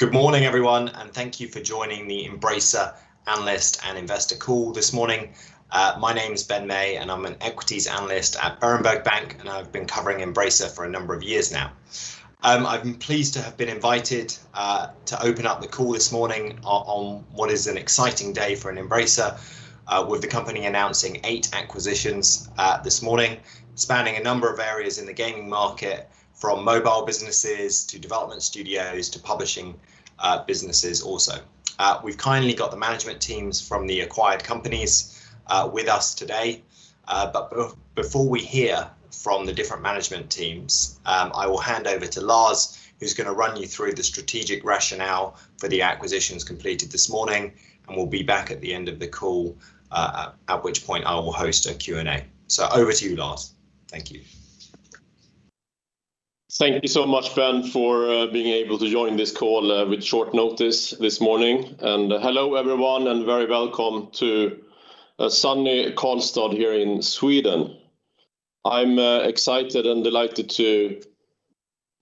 Good morning, everyone, and thank you for joining the Embracer Analyst and Investor call this morning. My name is Ben May, and I'm an equities analyst at Berenberg Bank, and I've been covering Embracer for a number of years now. I'm pleased to have been invited to open up the call this morning on what is an exciting day for Embracer, with the company announcing eight acquisitions this morning, spanning a number of areas in the gaming market, from mobile businesses to development studios, to publishing businesses also. We've kindly got the management teams from the acquired companies with us today. Before we hear from the different management teams, I will hand over to Lars, who's going to run you through the strategic rationale for the acquisitions completed this morning, and will be back at the end of the call, at which point I will host a Q&A. Over to you, Lars. Thank you. Thank you so much, Ben, for being able to join this call with short notice this morning. Hello, everyone, and very welcome to sunny Karlstad here in Sweden. I'm excited and delighted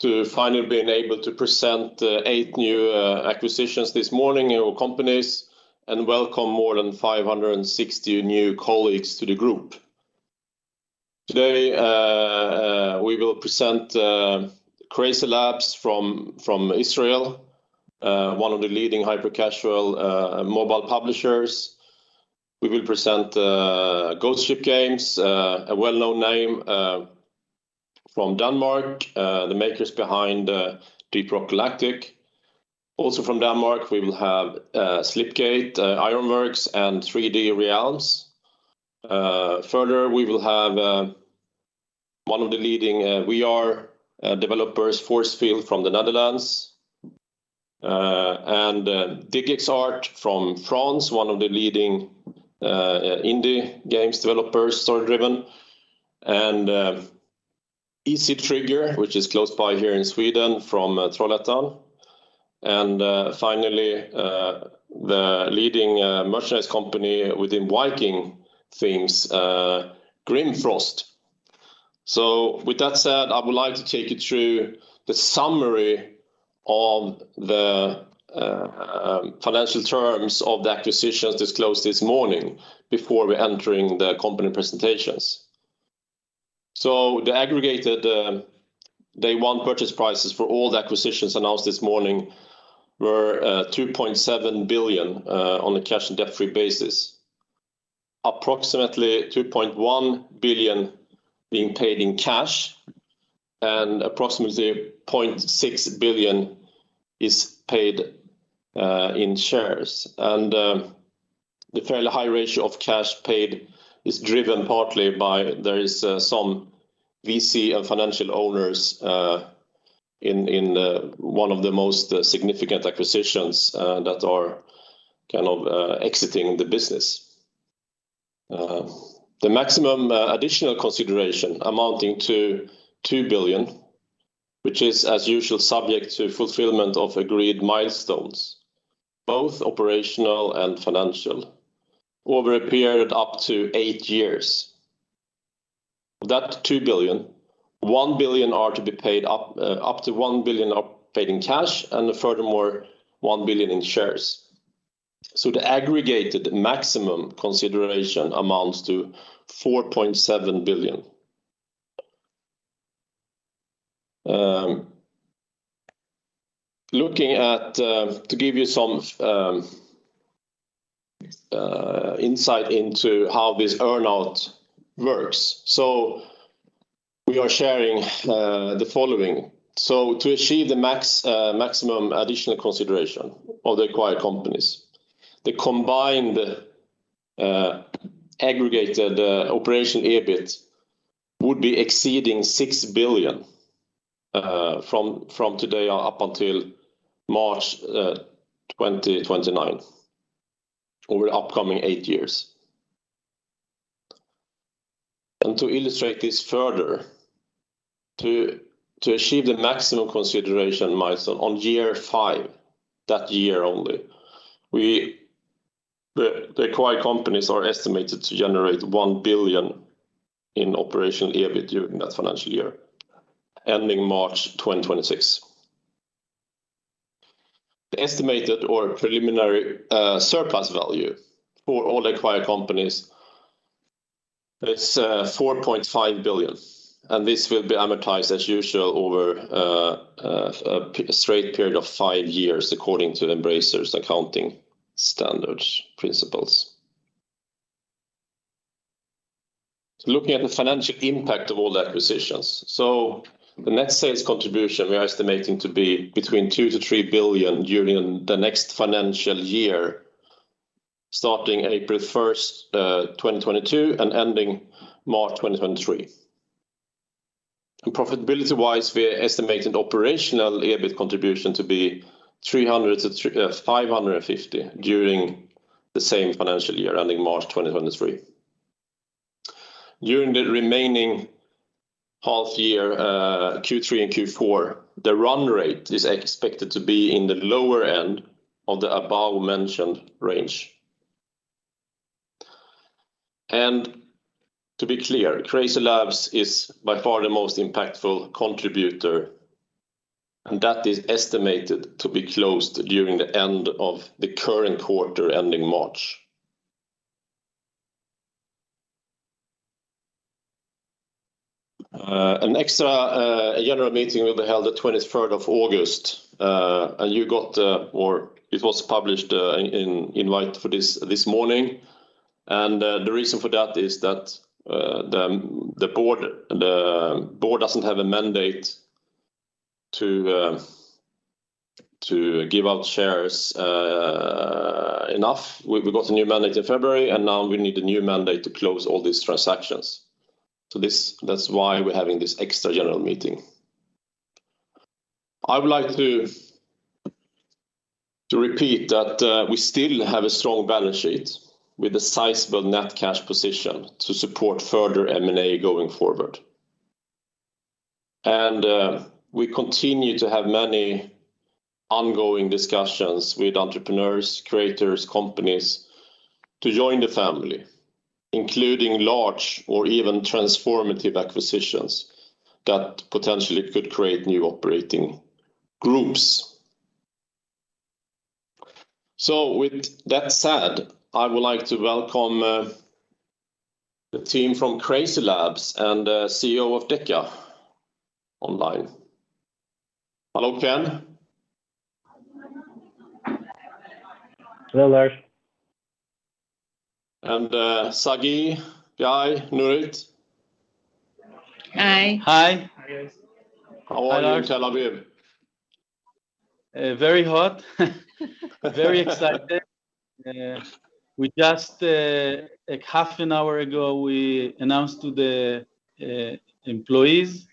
to finally be able to present eight new acquisitions this morning, eight companies, and welcome more than 560 new colleagues to the group. Today, we will present CrazyLabs from Israel, one of the leading hyper-casual mobile publishers. We will present Ghost Ship Games, a well-known name from Denmark, the makers behind Deep Rock Galactic. Also from Denmark, we will have Slipgate Ironworks and 3D Realms. Further, we will have one of the leading VR developers, Force Field, from the Netherlands, and DigixArt from France, one of the leading indie games developers, story-driven, and Easy Trigger, which is close by here in Sweden from Trollhättan. Finally, the leading merchandise company within Viking themes, Grimfrost. With that said, I would like to take you through the summary of the financial terms of the acquisitions disclosed this morning before we enter in the company presentations. The aggregated day one purchase prices for all the acquisitions announced this morning were 2.7 billion on a cash-and-debt-free basis. Approximately 2.1 billion being paid in cash and approximately 0.6 billion is paid in shares. The fairly high ratio of cash paid is driven partly by some VC and financial owners in one of the most significant acquisitions that are exiting the business. The maximum additional consideration amounting to 2 billion, which is as usual, subject to fulfillment of agreed milestones, both operational and financial, over a period up to eight years. Of that 2 billion, up to 1 billion are paid in cash, and furthermore, 1 billion in shares. The aggregated maximum consideration amounts to 4.7 billion. To give you some insight into how this earn-out works, we are sharing the following. To achieve the maximum additional consideration of the acquired companies, the combined aggregated operational EBIT would be exceeding 6 billion from today or up until March 2029, over the upcoming eight years. To illustrate this further, to achieve the maximum consideration milestone on year five, that year only, the acquired companies are estimated to generate 1 billion in operational EBIT during that financial year ending March 2026. The estimated or preliminary surplus value for all acquired companies is 4.5 billion, and this will be amortized as usual over a straight period of five years, according to Embracer's accounting standards principles. Looking at the financial impact of all the acquisitions. The net sales contribution we are estimating to be between 2 billion to 3 billion during the next financial year, starting April 1st, 2022, and ending March 2023. Profitability-wise, we are estimating operational EBIT contribution to be 300 million to 550 million during the same financial year ending March 2023. During the remaining half year, Q3 and Q4, the run rate is expected to be in the lower end of the above-mentioned range. To be clear, CrazyLabs is by far the most impactful contributor, and that is estimated to be closed during the end of the current quarter ending March. An extra general meeting will be held the 23rd of August, and it was published in invite for this morning, and the reason for that is that the board doesn't have a mandate to give out shares enough. We got a new mandate in February, and now we need a new mandate to close all these transactions. That's why we're having this extra general meeting. I would like to repeat that we still have a strong balance sheet with a sizable net cash position to support further M&A going forward. We continue to have many ongoing discussions with entrepreneurs, creators, companies to join the family, including large or even transformative acquisitions that potentially could create new operating groups. With that said, I would like to welcome the team from CrazyLabs and CEO of DECA, online. Hello, Ken. Hello Lars. Sagi, Guy, Nurit. Hi. Hi. Hi, guys. How are you in Tel Aviv? Very hot, very excited, like half an hour ago, we announced to the employees.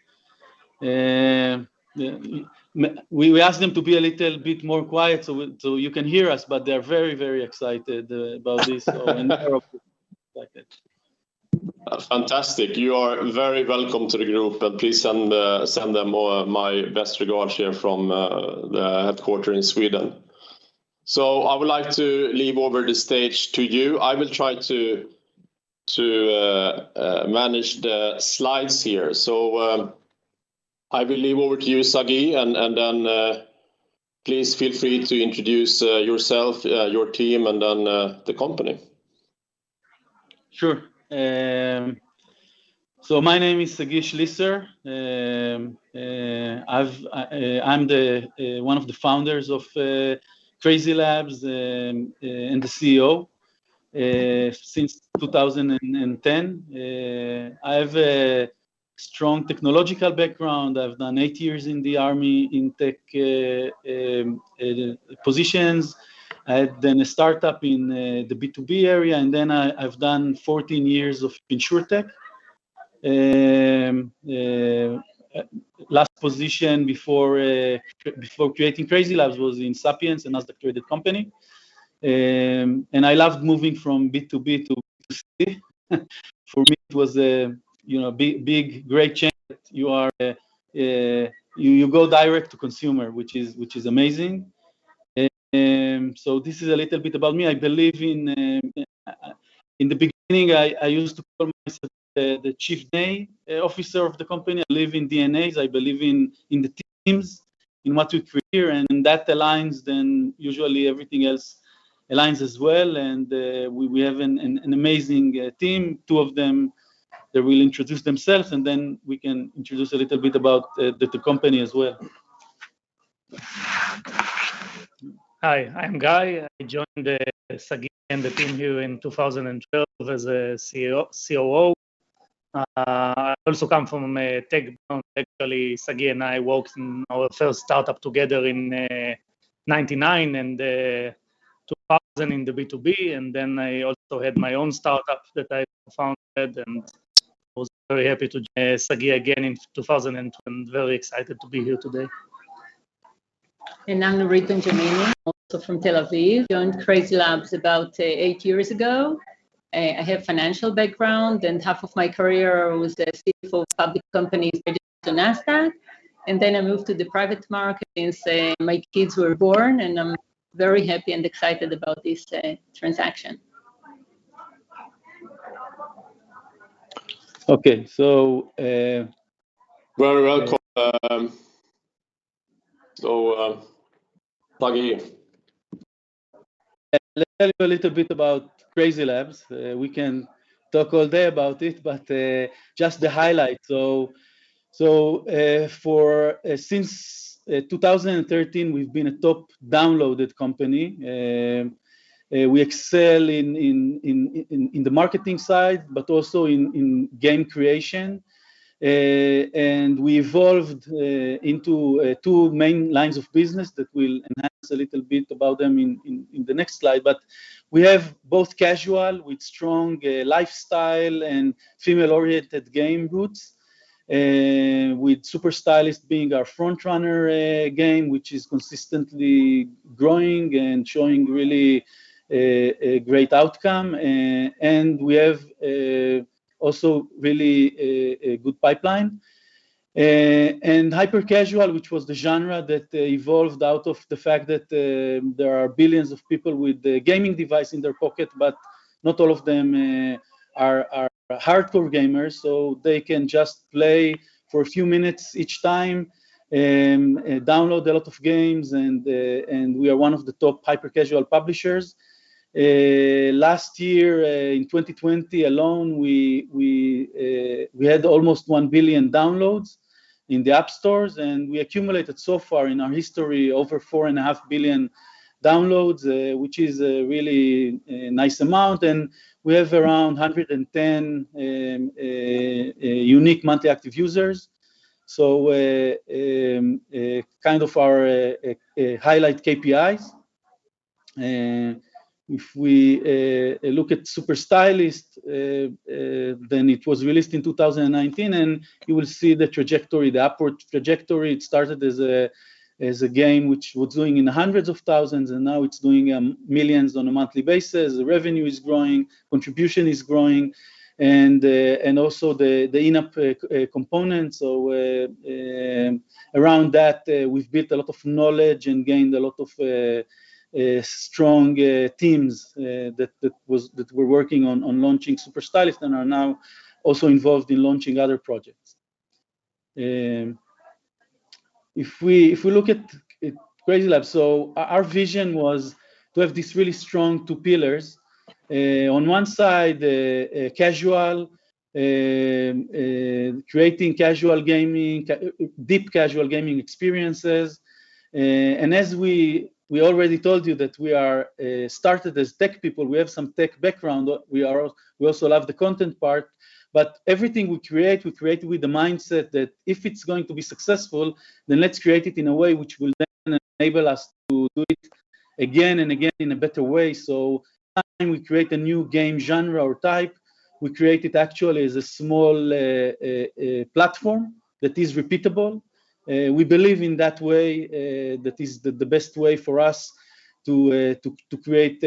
We asked them to be a little bit more quiet so you can hear us but they're very excited about this, and so they are all excited. Fantastic. You are very welcome to the group, and please send them my best regards here from the headquarters in Sweden. I would like to leave over the stage to you. I will try to manage the slides here. I will leave over to you, Sagi, and then please feel free to introduce yourself, your team, and then the company. Sure. My name is Sagi Schliesser. I'm one of the founders of CrazyLabs and the CEO since 2010. I have a strong technological background. I've done eight years in the army in tech positions. I had a startup in the B2B area and then I've done 14 years of Insurtech. Last position before creating CrazyLabs was in Sapiens, a Nasdaq-traded company. I loved moving from B2B to B2C. For me, it was a big, great change. You go direct to consumer, which is amazing. This is a little bit about me. In the beginning, I used to call myself the chief DNA officer of the company. I believe in DNAs. I believe in the teams, in what we create, and when that aligns, then usually everything else aligns as well. We have an amazing team. Two of them, they will introduce themselves, and then we can introduce a little bit about the company as well. Hi, I'm Guy. I joined Sagi and the team here in 2012 as a COO. I also come from a tech background. Actually, Sagi and I worked in our first startup together in 1999 and 2000 in the B2B, and then I also had my own startup that I founded, and I was very happy to join Sagi again in 2012, and very excited to be here today. I'm Nurit Benjamini, also from Tel Aviv. Joined CrazyLabs about eight years ago. I have financial background, and half of my career was the CFO of public companies registered to Nasdaq, and then I moved to the private market since my kids were born, and I'm very happy and excited about this transaction. Okay. Very welcome. Sagi. Let me tell you a little bit about Crazy Labs. We can talk all day about it but just the highlights. Since 2013, we've been a top downloaded company. We excel in the marketing side but also in game creation. We evolved into two main lines of business that we'll enhance a little bit about them in the next slide. We have both casual with strong lifestyle and female-oriented game roots, with Super Stylist being our frontrunner game, which is consistently growing and showing really a great outcome. We have also really a good pipeline, and hyper-casual, which was the genre that evolved out of the fact that there are billions of people with a gaming device in their pocket, but not all of them are hardcore gamers. They can just play for a few minutes each time and download a lot of games, and we are one of the top hyper-casual publishers. Last year, in 2020 alone, we had almost 1 billion downloads in the app stores. We accumulated so far in our history over 4.5 billion downloads, which is a really nice amount. We have around 110 unique monthly active users, so kind of our highlight KPIs. If we look at Super Stylist, then it was released in 2019, and you will see the upward trajectory. It started as a game which was doing in the hundreds of thousands, and now it's doing millions on a monthly basis. The revenue is growing, contribution is growing, and also the in-app components. Around that, we've built a lot of knowledge and gained a lot of strong teams that were working on launching Super Stylist and are now also involved in launching other projects. If we look at CrazyLabs, our vision was to have these really strong two pillars. On one side, creating deep casual gaming experiences, and as we already told you that we started as tech people, we have some tech background. We also love the content part, but everything we create, we create with the mindset that if it's going to be successful, then let's create it in a way which will then enable us to do it again and again in a better way. Every time we create a new game genre or type, we create it actually as a small platform that is repeatable. We believe in that way, that is the best way for us to create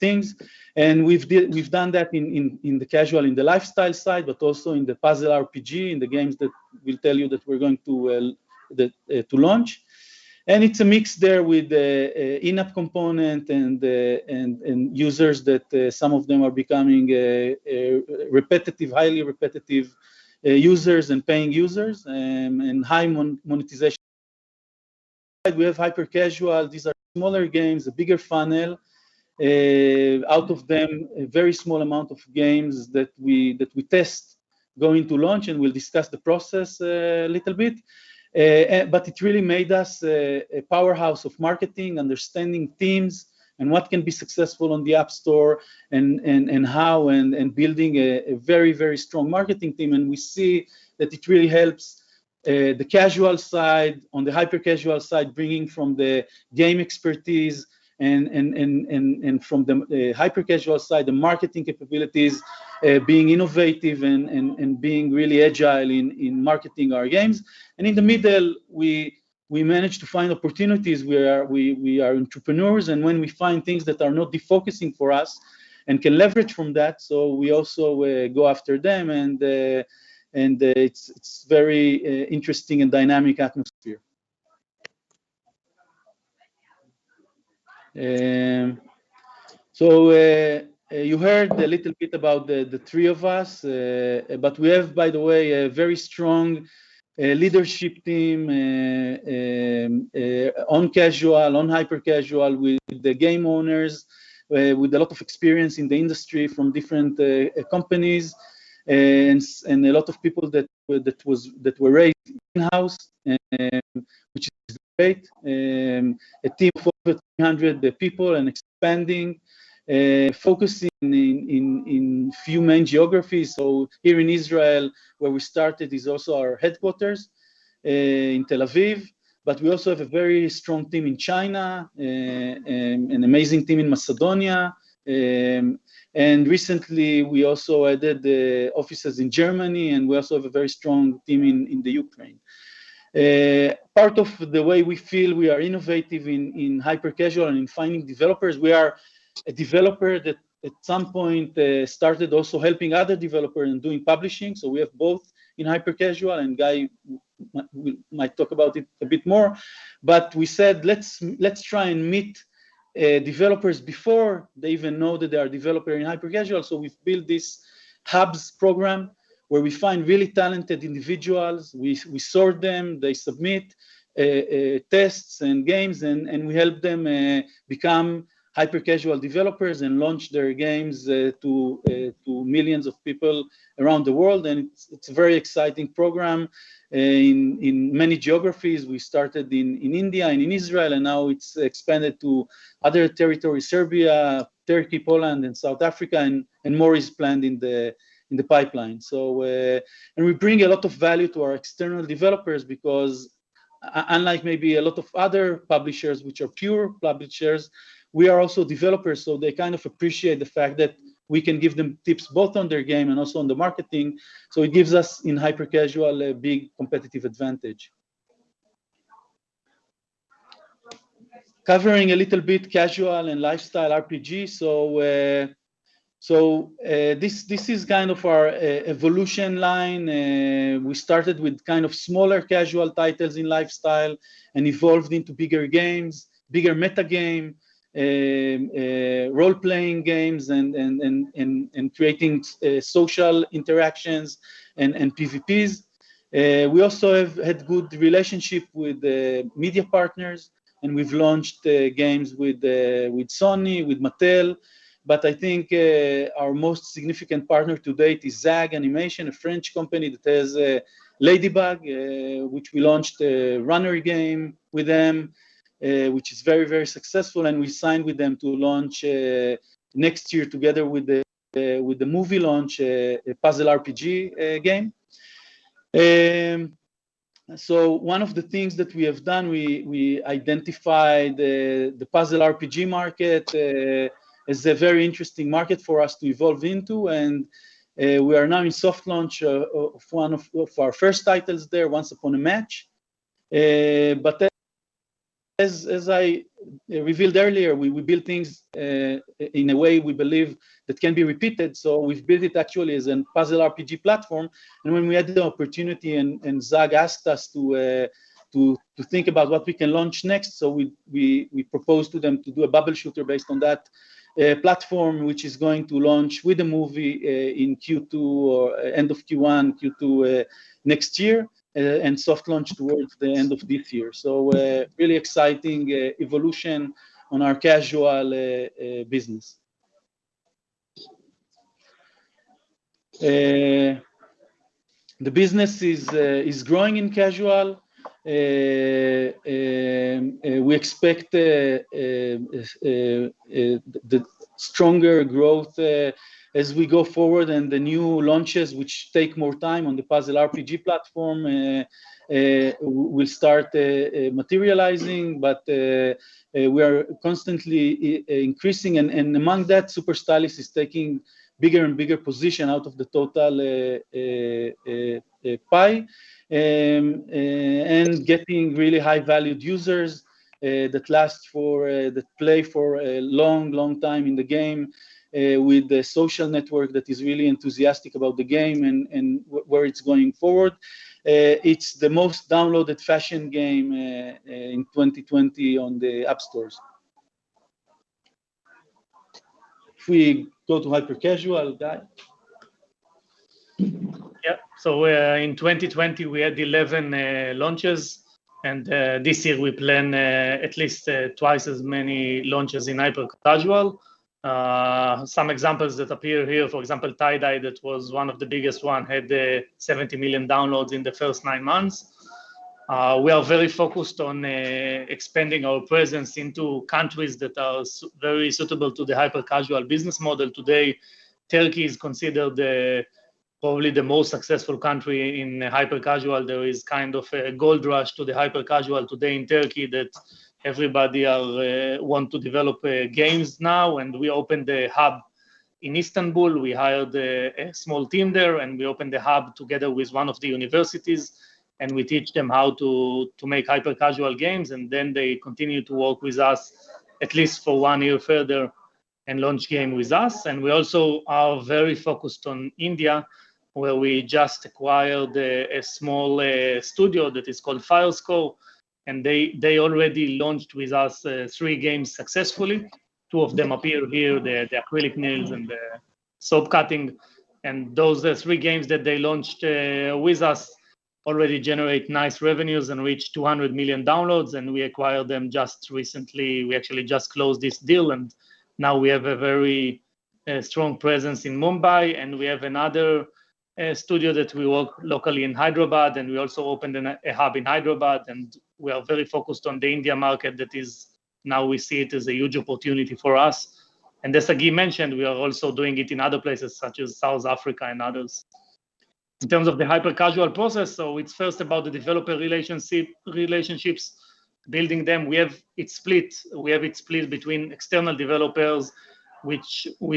things. We've done that in the casual, in the lifestyle side, but also in the puzzle RPG, in the games that we'll tell you that we're going to launch. It's a mix there with the in-app component and users that some of them are becoming highly repetitive users, and paying users, and high monetization. We have hyper-casual, these are smaller games, a bigger funnel. Out of them, a very small amount of games that we test going to launch. We'll discuss the process a little bit. It really made us a powerhouse of marketing, understanding themes, and what can be successful on the App Store and how, and building a very strong marketing team. We see that it really helps the casual side on the hyper-casual side, bringing from the game expertise, and from the hyper-casual side, the marketing capabilities, being innovative, and being really agile in marketing our games. In the middle, we manage to find opportunities where we are entrepreneurs, and when we find things that are not defocusing for us and can leverage from that, so we also go after them, and it's very interesting and dynamic atmosphere. You heard a little bit about the three of us. We have, by the way, a very strong leadership team on casual, on hyper-casual with the game owners, with a lot of experience in the industry from different companies, and a lot of people that were raised in-house, which is great. A team of over 300 people and expanding, focusing in few main geographies. Here in Israel, where we started, is also our headquarters in Tel Aviv, but we also have a very strong team in China, an amazing team in Macedonia. Recently, we also added offices in Germany, and we also have a very strong team in the Ukraine. Part of the way we feel we are innovative in hyper-casual and in finding developers, we are a developer that at some point started also helping other developers in doing publishing. We have both in hyper-casual, and Guy might talk about it a bit more. We said, let's try and meet developers before they even know that they are developer in hyper-casual. We've built this hubs program where we find really talented individuals. We sort them, they submit tests and games, and we help them become hyper-casual developers and launch their games to millions of people around the world, and it's a very exciting program in many geographies. We started in India and in Israel, and now it's expanded to other territories, Serbia, Turkey, Poland, and South Africa, and more is planned in the pipeline. We bring a lot of value to our external developers because, unlike maybe a lot of other publishers which are pure publishers, we are also developers. They appreciate the fact that we can give them tips both on their game and also on the marketing. It gives us, in hyper-casual, a big competitive advantage, covering a little bit casual and lifestyle RPG. This is our evolution line. We started with smaller casual titles in lifestyle and evolved into bigger games, bigger meta-game, role-playing games, and creating social interactions and PVPs. We also have had good relationship with media partners, and we've launched games with Sony, with Mattel. I think our most significant partner to date is ZAG Entertainment, a French company that has "Ladybug," which we launched a runner game with them, which is very successful. We signed with them to launch next year together with the movie launch, a puzzle RPG game. One of the things that we have done, we identified the puzzle RPG market as a very interesting market for us to evolve into. We are now in soft launch of one of our first titles there, "Once Upon a Match." As I revealed earlier, we build things in a way we believe that can be repeated. We've built it actually as an puzzle RPG platform. When we had the opportunity and Zag asked us to think about what we can launch next, so we proposed to them to do a bubble shooter based on that platform, which is going to launch with the movie in end of Q1, Q2 next year, and soft launch towards the end of this year, so really exciting evolution on our casual business. The business is growing in casual. We expect the stronger growth as we go forward and the new launches, which take more time on the puzzle RPG platform, will start materializing. We are constantly increasing and among that, "Super Stylist" is taking bigger and bigger position out of the total pie and getting really high valued users that play for a long time in the game with the social network that is really enthusiastic about the game and where it's going forward. It's the most downloaded fashion game in 2020 on the app stores. If we go to hyper-casual, Guy? In 2020, we had 11 launches, and this year we plan at least twice as many launches in hyper-casual. Some examples that appear here, for example, "Tie Dye," that was one of the biggest one, had 70 million downloads in the first nine months. We are very focused on expanding our presence into countries that are very suitable to the hyper-casual business model today. Turkey is considered probably the most successful country in hyper-casual. There is a gold rush to the hyper-casual today in Turkey that everybody want to develop games now. We opened a hub in Istanbul. We hired a small team there, and we opened a hub together with one of the universities, and we teach them how to make hyper-casual games, and then they continue to work with us at least for one year further and launch game with us. We also are very focused on India, where we just acquired a small studio that is called Filesco, and they already launched with us three games successfully. Two of them appear here, the "Acrylic Nails" and the "Soap Cutting," and those are three games that they launched with us already generate nice revenues and reached 200 million downloads, and we acquired them just recently. We actually just closed this deal, and now we have a very strong presence in Mumbai, and we have another studio that we work locally in Hyderabad, and we also opened a hub in Hyderabad. We are very focused on the India market that now we see it as a huge opportunity for us. As Sagi mentioned, we are also doing it in other places such as South Africa and others. In terms of the hyper-casual process, so it's first about the developer relationships, building them. We have it split between external developers, with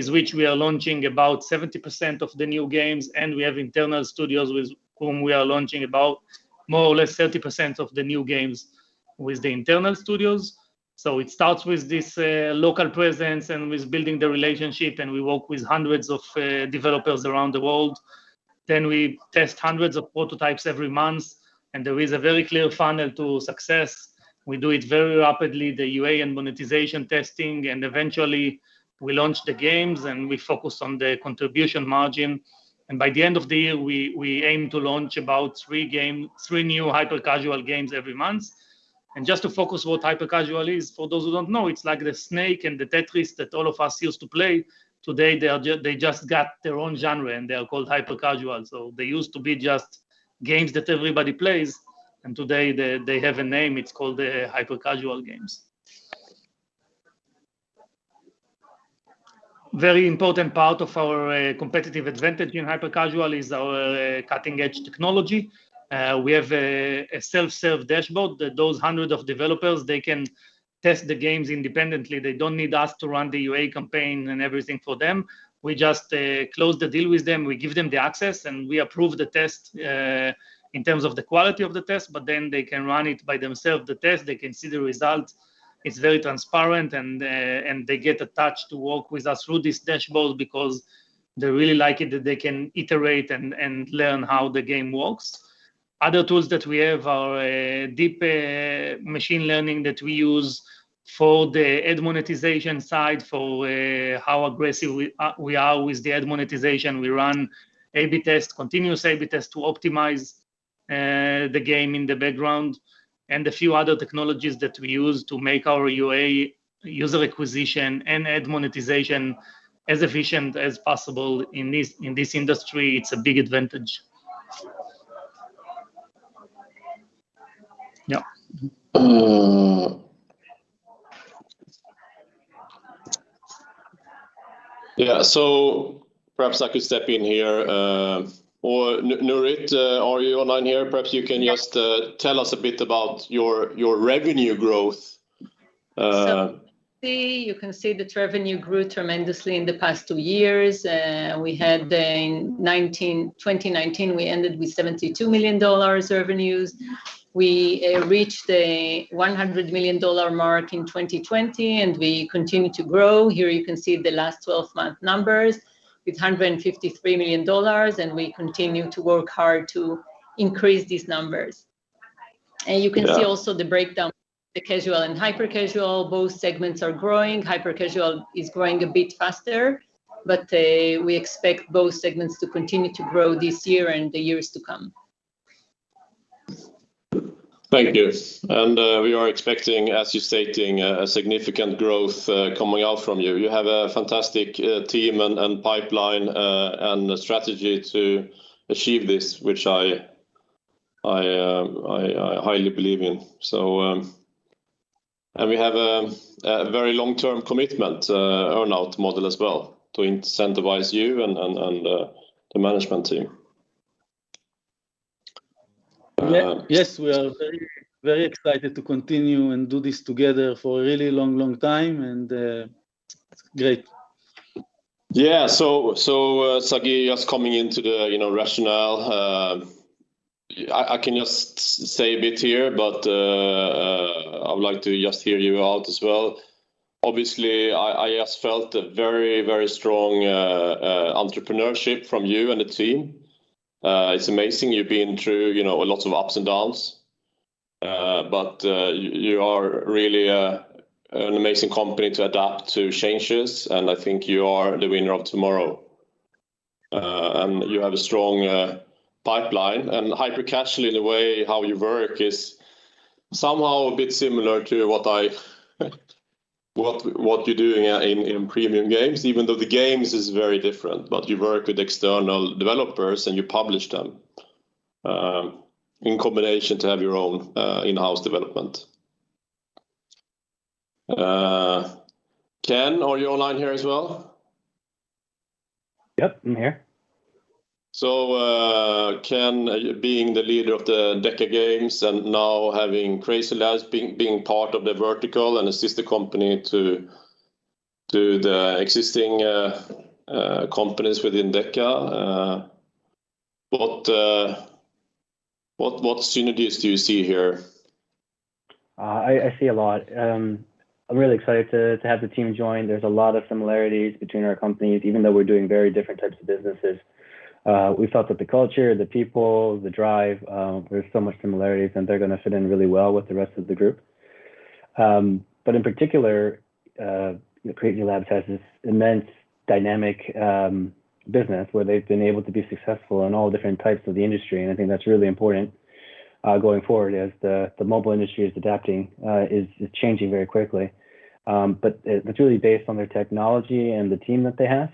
which we are launching about 70% of the new games, and we have internal studios with whom we are launching about more or less 30% of the new games with the internal studios. It starts with this local presence and with building the relationship, and we work with hundreds of developers around the world. We test hundreds of prototypes every month, and there is a very clear funnel to success. We do it very rapidly, the UA and monetization testing, and eventually we launch the games, and we focus on the contribution margin. By the end of the year, we aim to launch about three new hyper-casual games every month. To focus what hyper-casual is, for those who don't know, it's like the Snake and the Tetris that all of us used to play. Today, they just got their own genre, and they are called hyper-casual. They used to be just games that everybody plays, and today they have a name, it's called hyper-casual games. Very important part of our competitive advantage in hyper-casual is our cutting-edge technology. We have a self-serve dashboard that those 100 developers, they can test the games independently. They don't need us to run the UA campaign and everything for them. We just close the deal with them. We give them the access, and we approve the test in terms of the quality of the test, but they can run it by themselves, the test. They can see the results. It's very transparent, and they get attached to work with us through this dashboard because they really like it that they can iterate and learn how the game works. Other tools that we have are deep machine learning that we use for the ad monetization side, for how aggressive we are with the ad monetization. We run A/B tests, continuous A/B tests to optimize the game in the background, and a few other technologies that we use to make our UA user acquisition and ad monetization as efficient as possible in this industry. It's a big advantage. Yeah. Yeah. Perhaps I could step in here. Nurit, are you online here? Perhaps you can just tell us a bit about your revenue growth. You can see that revenue grew tremendously in the past two years. In 2019, we ended with $72 million revenues. We reached the $100 million mark in 2020. We continue to grow. Here you can see the last 12-month numbers with $153 million and we continue to work hard to increase these numbers. You can see also the breakdown, the casual and hyper-casual, both segments are growing. Hyper-casual is growing a bit faster, but we expect both segments to continue to grow this year, and the years to come. Thank you. We are expecting, as you're stating, a significant growth coming out from you. You have a fantastic team and pipeline, and a strategy to achieve this, which I highly believe in. We have a very long-term commitment earn-out model as well to incentivize you and the management team. Yes. We are very excited to continue and do this together for a really long time and it's great. Yeah. Sagi, just coming into the rationale, I can just say a bit here, but I would like to just hear you out as well. Obviously, I just felt a very strong entrepreneurship from you and the team. It's amazing you've been through a lot of ups and downs, but you are really an amazing company to adapt to changes, and I think you are the winner of tomorrow. You have a strong pipeline, and hyper-casual in the way how you work is somehow a bit similar to what you're doing in Premium Games, even though the games is very different. You work with external developers, and you publish them, in combination to have your own in-house development. Ken, are you online here as well? Yep, I'm here. Ken, being the leader of the DECA Games and now having CrazyLabs being part of the vertical and assist the company to the existing companies within DECA, what synergies do you see here? I see a lot. I'm really excited to have the team join. There's a lot of similarities between our companies, even though we're doing very different types of businesses. We felt that the culture, the people, the drive, there's so much similarities, and they're going to fit in really well with the rest of the group. In particular, CrazyLabs has this immense dynamic business where they've been able to be successful in all different types of the industry, and I think that's really important going forward as the mobile industry is adapting, is changing very quickly. It's really based on their technology and the team that they have.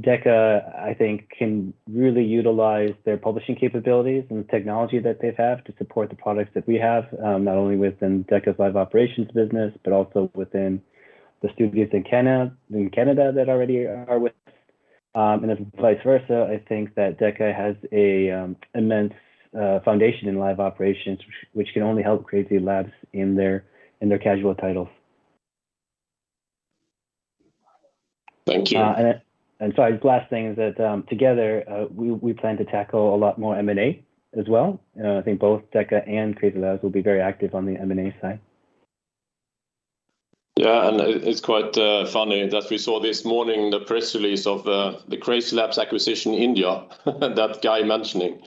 DECA, I think, can really utilize their publishing capabilities and the technology that they have to support the products that we have, not only within DECA's live operations business, but also within the studios in Canada that already are with us. Vice versa, I think that DECA has an immense foundation in live operations, which can only help CrazyLabs in their casual titles. Thank you. Sorry, the last thing is that together, we plan to tackle a lot more M&A as well. I think both DECA and CrazyLabs will be very active on the M&A side. Yeah, it's quite funny that we saw this morning the press release of the Crazy Labs acquisition India, that Guy mentioning.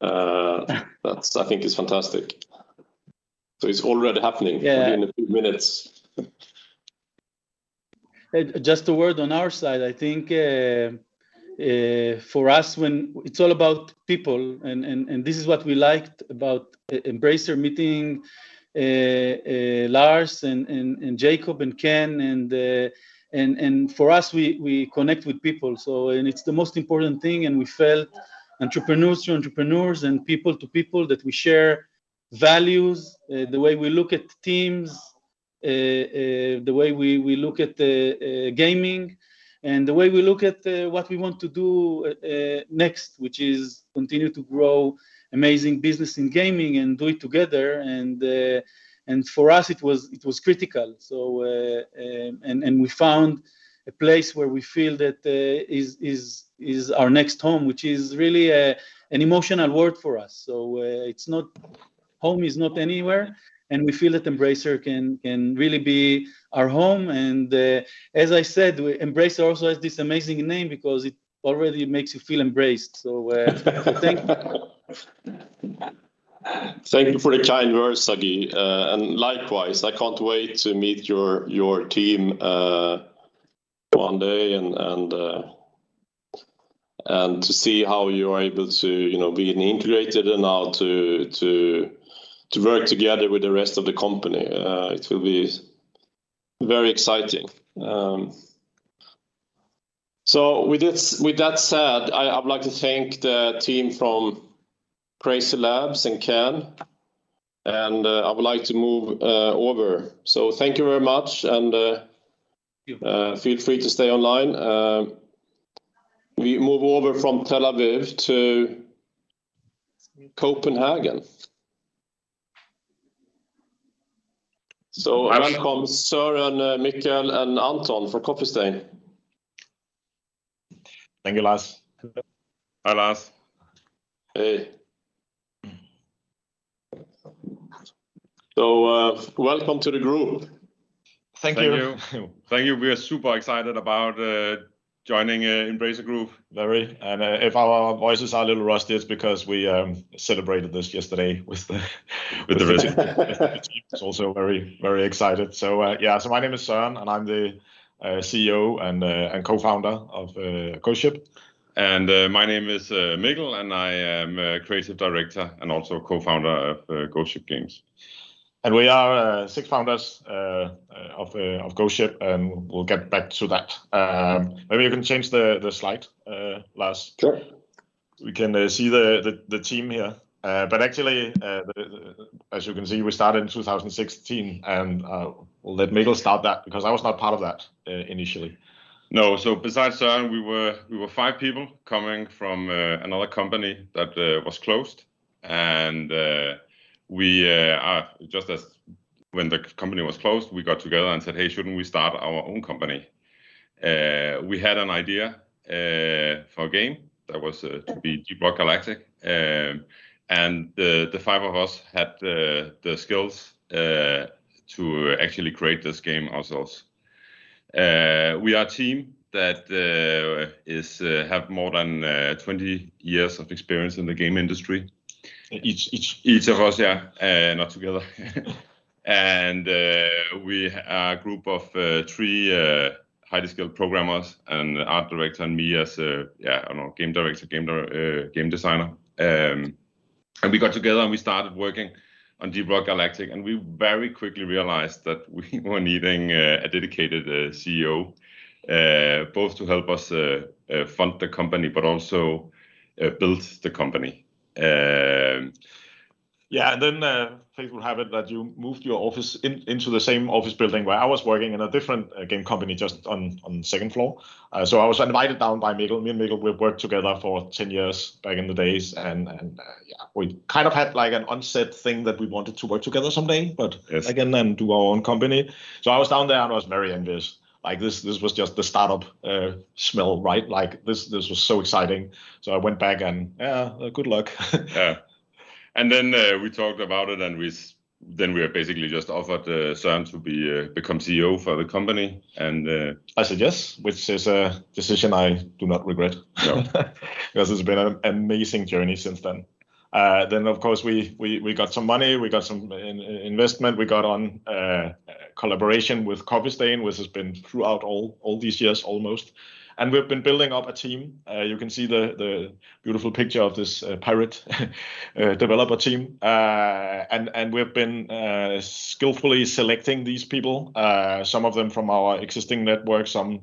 That, I think, is fantastic. It's already happening. Yeah Within a few minutes. A word on our side, I think for us, it's all about people, and this is what we liked about Embracer meeting Lars and Jacob and Ken, and for us, we connect with people. It's the most important thing, and we felt entrepreneurs to entrepreneurs and people to people, that we share values, the way we look at teams, the way we look at gaming, and the way we look at what we want to do next, which is continue to grow amazing business in gaming and do it together. For us, it was critical. We found a place where we feel that is our next home, which is really an emotional word for us. Home is not anywhere, and we feel that Embracer can really be our home. As I said, Embracer also has this amazing name because it already makes you feel embraced. Thank you. Thank you for the kind words, Sagi and, likewise, I can't wait to meet your team one day and to see how you are able to be integrated and how to work together with the rest of the company. It will be very exciting. With that said, I would like to thank the team from Crazy Labs and Ken, I would like to move over. Thank you very much. Thank you. Feel free to stay online. We move over from Tel Aviv to Copenhagen. Welcome, Søren, Mikkel, and Anton from Coffee Stain. Thank you, Lars. Hi, Lars. Hey. Welcome to the group. Thank you. Thank you. We are super excited about joining Embracer Group, very, if our voices are a little rusty, it's because we celebrated this yesterday with team, which is also very excited. Yeah, my name is Søren, and I'm the CEO and co-founder of Ghost Ship. My name is Mikkel, and I am creative director and also co-founder of Ghost Ship Games. We are six founders of Ghost Ship, and we will get back to that. Maybe you can change the slide, Lars. Sure. We can see the team here. Actually, as you can see, we started in 2016. Let Mikkel start that because I was not part of that initially. No. Besides Soren, we were five people coming from another company that was closed, and just as when the company was closed, we got together and said, "Hey, shouldn't we start our own company?" We had an idea for a game, that was to be Deep Rock Galactic. The five of us had the skills to actually create this game ourselves. We are a team that have more than 20 years of experience in the game industry. Each of us, yeah, not together. We are a group of three highly skilled programmers, an art director, and me as a game director, game designer. We got together, and we started working on Deep Rock Galactic, and we very quickly realized that we were needing a dedicated CEO, both to help us fund the company, but also build the company. Fate would have it that you moved your office into the same office building where I was working in a different game company, just on the second floor. I was invited down by Mikkel. Me and Mikkel, we worked together for 10 years back in the days. We kind of had an unsaid thing that we wanted to work together someday. Yes Again and do our own company. I was down there, and I was very envious. This was just the startup smell, right? This was so exciting. I went back and, "Yeah, good luck. Yeah. Then we talked about it, and then we basically just offered Søren to become CEO for the company. I said yes, which is a decision I do not regret. No. Because it's been an amazing journey since then. Of course, we got some money, we got some investment, we got on a collaboration with Coffee Stain, which has been throughout all these years almost. We've been building up a team. You can see the beautiful picture of this pirate developer team. We've been skillfully selecting these people, some of them from our existing network, some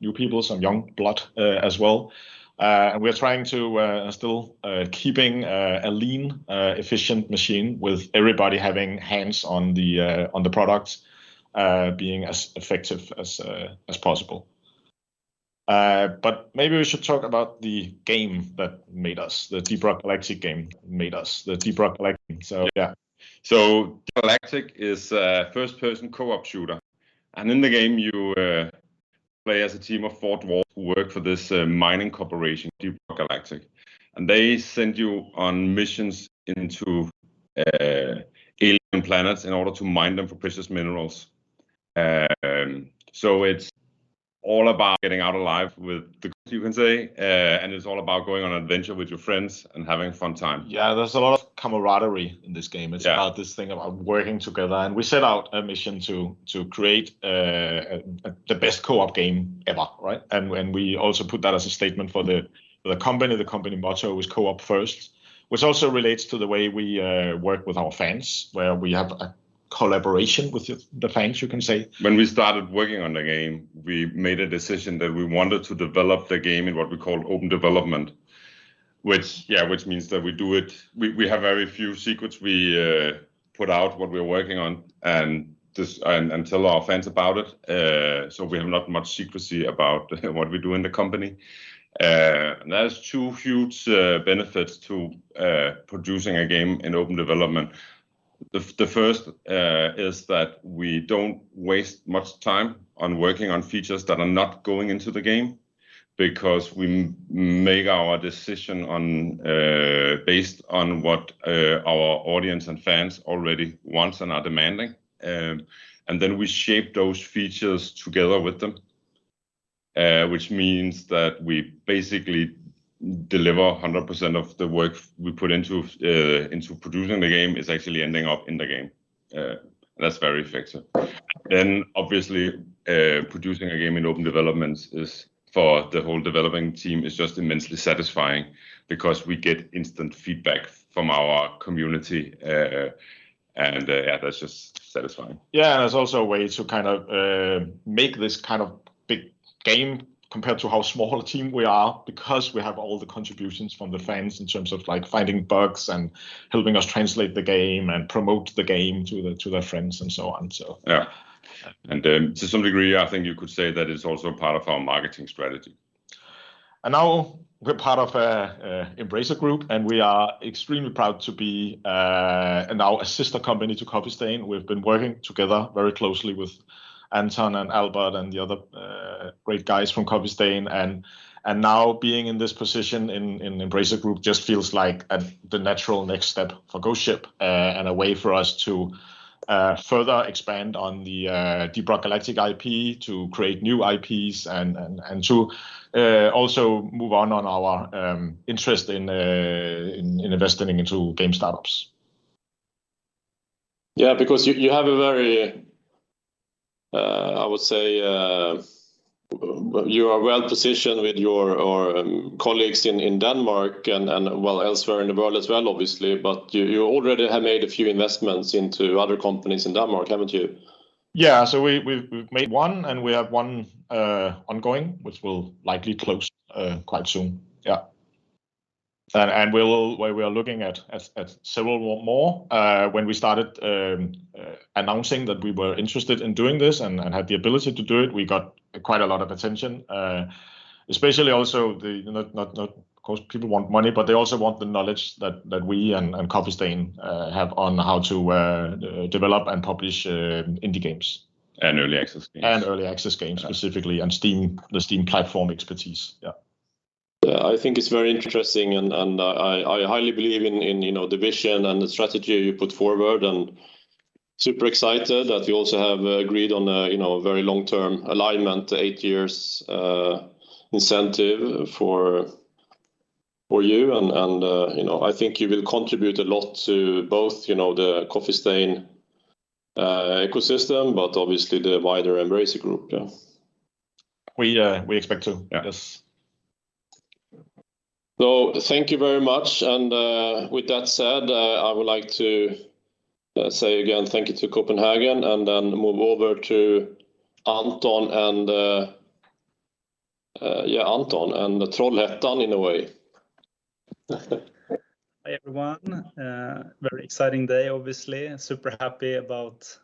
new people, some young blood as well. We're trying to still keeping a lean, efficient machine with everybody having hands on the product, being as effective as possible. Maybe we should talk about the game that made us, the Deep Rock Galactic game that made us. Deep Rock Galactic is a first-person co-op shooter, and in the game, you play as a team of four dwarves who work for this mining corporation, Deep Rock Galactic, and they send you on missions into alien planets in order to mine them for precious minerals. It's all about getting out alive. It's all about going on adventure with your friends and having a fun time. Yeah, there's a lot of camaraderie in this game. Yeah. It's about this thing about working together. We set out a mission to create the best co-op game ever. Right. We also put that as a statement for the company. The company motto was, "Co-op first," which also relates to the way we work with our fans, where we have a collaboration with the fans, you can say. When we started working on the game, we made a decision that we wanted to develop the game in what we call open development, which means that we have very few secrets. We put out what we're working on and tell our fans about it. We have not much secrecy about what we do in the company. That has two huge benefits to producing a game in open development. The first is that we don't waste much time on working on features that are not going into the game, because we make our decision based on what our audience and fans already want and are demanding. We shape those features together with them, which means that we basically deliver 100% of the work we put into producing the game is actually ending up in the game. That's very effective. Obviously, producing a game in open development for the whole developing team is just immensely satisfying because we get instant feedback from our community, and that's just satisfying. It's also a way to make this big game compared to how small a team we are because we have all the contributions from the fans in terms of finding bugs and helping us translate the game and promote the game to their friends and so on. Yeah. To some degree, I think you could say that it's also part of our marketing strategy. Now we're part of Embracer Group, and we are extremely proud to be now a sister company to Coffee Stain. We've been working together very closely with Anton and Albert and the other great guys from Coffee Stain, and now being in this position in Embracer Group just feels like the natural next step for Ghost Ship and a way for us to further expand on the Deep Rock Galactic IP to create new IPs and to also move on on our interest in investing into game startups. Yeah, you are well-positioned with your colleagues in Denmark and elsewhere in the world as well, obviously, but you already have made a few investments into other companies in Denmark, haven't you? We've made one, and we have one ongoing, which will likely close quite soon. We are looking at several more. When we started announcing that we were interested in doing this and had the ability to do it, we got quite a lot of attention. Especially also, of course, people want money, but they also want the knowledge that we and Coffee Stain have on how to develop and publish indie games. Early access games. Early access games, specifically, and the Steam platform expertise. Yeah. Yeah, I think it's very interesting, and I highly believe in the vision and the strategy you put forward, and super excited that you also have agreed on a very long-term alignment, eight years incentive for you. I think you will contribute a lot to both the Coffee Stain ecosystem, but obviously the wider Embracer Group. Yeah. We expect to. Yes. Thank you very much. With that said, I would like to say again thank you to Copenhagen and then move over to Anton and Trollhättan, in a way. Hi, everyone. Very exciting day, obviously. Super happy about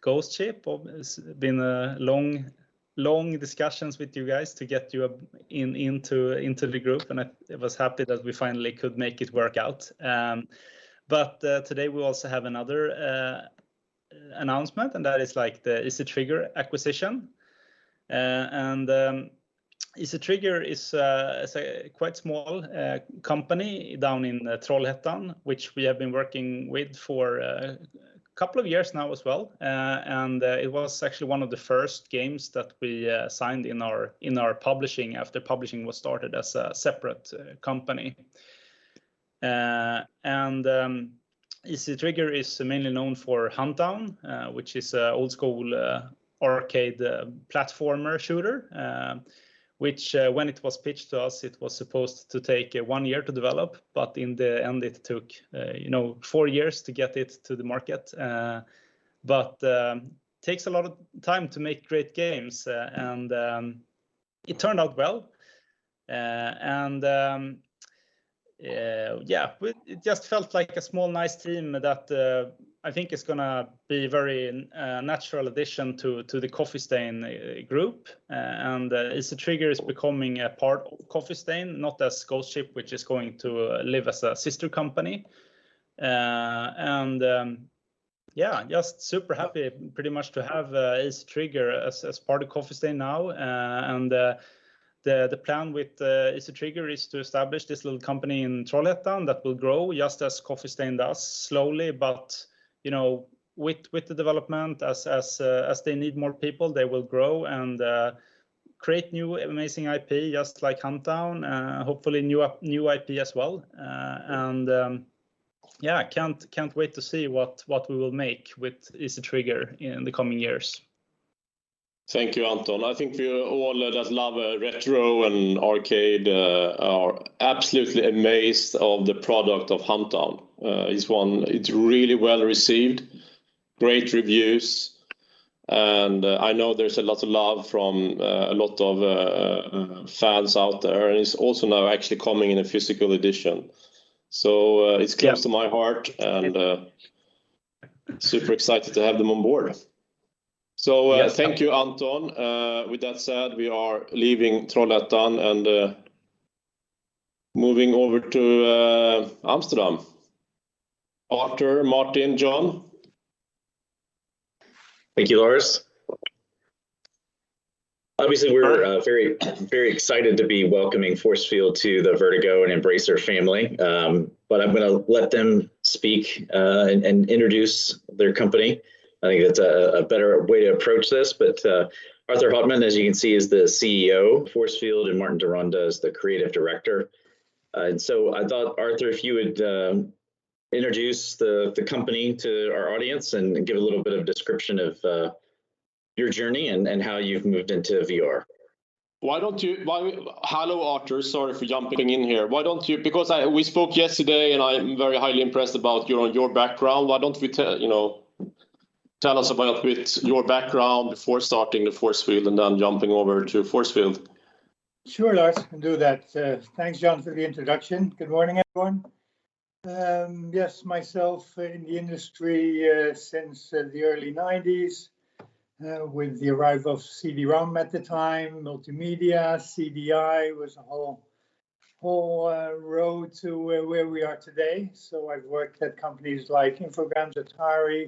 Ghost Ship. It's been long discussions with you guys to get you into the group. I was happy that we finally could make it work out. Today we also have another announcement. That is the Easy Trigger acquisition. Easy Trigger is a quite small company down in Trollhättan, which we have been working with for a couple of years now as well. It was actually one of the first games that we signed in our publishing after publishing was started as a separate company. Easy Trigger is mainly known for Huntdown, which is an old-school arcade platformer shooter, which when it was pitched to us, it was supposed to take one year to develop. In the end it took four years to get it to the market. It takes a lot of time to make great games and it turned out well. Yeah, it just felt like a small, nice team that I think is going to be a very natural addition to the Coffee Stain Group. Easy Trigger is becoming a part of Coffee Stain, not as Ghost Ship, which is going to live as a sister company. Yeah, just super happy pretty much to have Easy Trigger as part of Coffee Stain now, and the plan with Easy Trigger is to establish this little company in Trollhättan that will grow just as Coffee Stain does, slowly, but with the development, as they need more people, they will grow and create new amazing IP, just like Huntdown. Hopefully new IP as well. Yeah, can't wait to see what we will make with Easy Trigger in the coming years. Thank you, Anton. I think all of us who love retro and arcade are absolutely amazed of the product of Huntdown. It is really well-received, great reviews, and I know there is a lot of love from a lot of fans out there, and it is also now actually coming in a physical edition, close to my heart, and super excited to have them on board. Thank you, Anton. With that said, we are leaving Trollhättan and moving over to Amsterdam. Arthur, Martin, John. Thank you, Lars. Obviously, we're very excited to be welcoming Force Field to the Vertigo and Embracer family, but I'm going to let them speak and introduce their company. I think that's a better way to approach this. Arthur Houtman, as you can see, is the CEO of Force Field and Martin de Ronde is the Creative Director. I thought, Arthur, if you would introduce the company to our audience and give a little bit of description of your journey and how you've moved into VR. Hello, Arthur, sorry for jumping in here. We spoke yesterday, and I'm very highly impressed about your background, why don't you tell us about your background before starting Force Field, and then jumping over to Force Field? Sure, Lars, can do that. Thanks, John, for the introduction. Good morning, everyone. Yes, myself in the industry since the early '90s, with the arrival of CD-ROM at the time, multimedia, CD-i was a whole road to where we are today. I've worked at companies like Infogrames, Atari,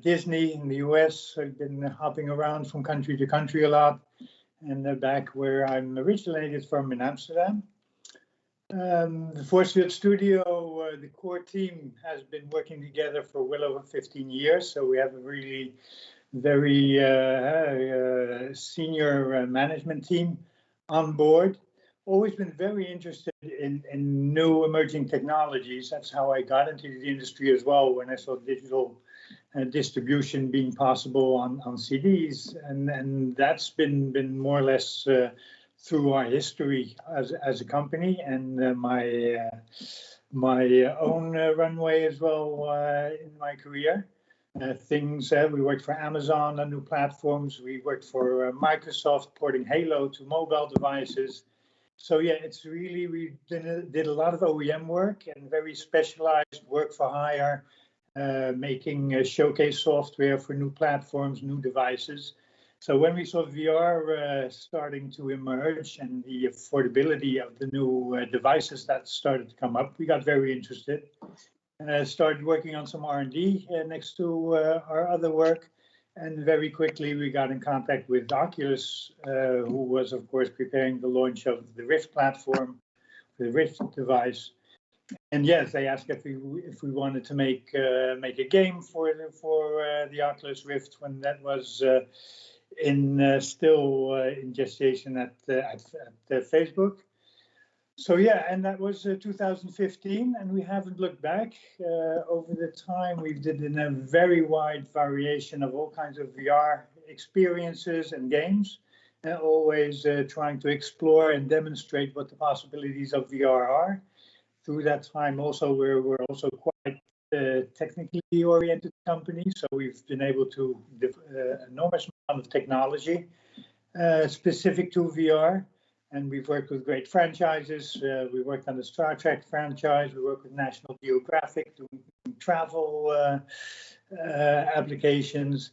Disney in the U.S. I've been hopping around from country to country a lot and now back where I'm originally from in Amsterdam. The Force Field studio, the core team, has been working together for well over 15 years, so we have a really very senior management team on board. Always been very interested in new emerging technologies. That's how I got into the industry as well when I saw digital distribution being possible on CDs, and that's been more or less through our history as a company, and my own runway as well in my career. Things, we worked for Amazon on new platforms. We worked for Microsoft porting Halo to mobile devices. Yeah, we did a lot of OEM work and very specialized work for hire, making showcase software for new platforms, new devices. When we saw VR starting to emerge and the affordability of the new devices that started to come up, we got very interested and started working on some R&D next to our other work, and very quickly we got in contact with Oculus, who was of course preparing the launch of the Rift platform, the Rift device. Yes, they asked if we wanted to make a game for the Oculus Rift when that was still in gestation at Facebook. Yeah, that was 2015, and we haven't looked back. Over the time, we've done a very wide variation of all kinds of VR experiences and games, always trying to explore and demonstrate what the possibilities of VR are. Through that time also, we're also quite a technically oriented company. We've been able to develop an enormous amount of technology specific to VR, and we've worked with great franchises. We worked on the Star Trek franchise. We worked with National Geographic doing travel applications.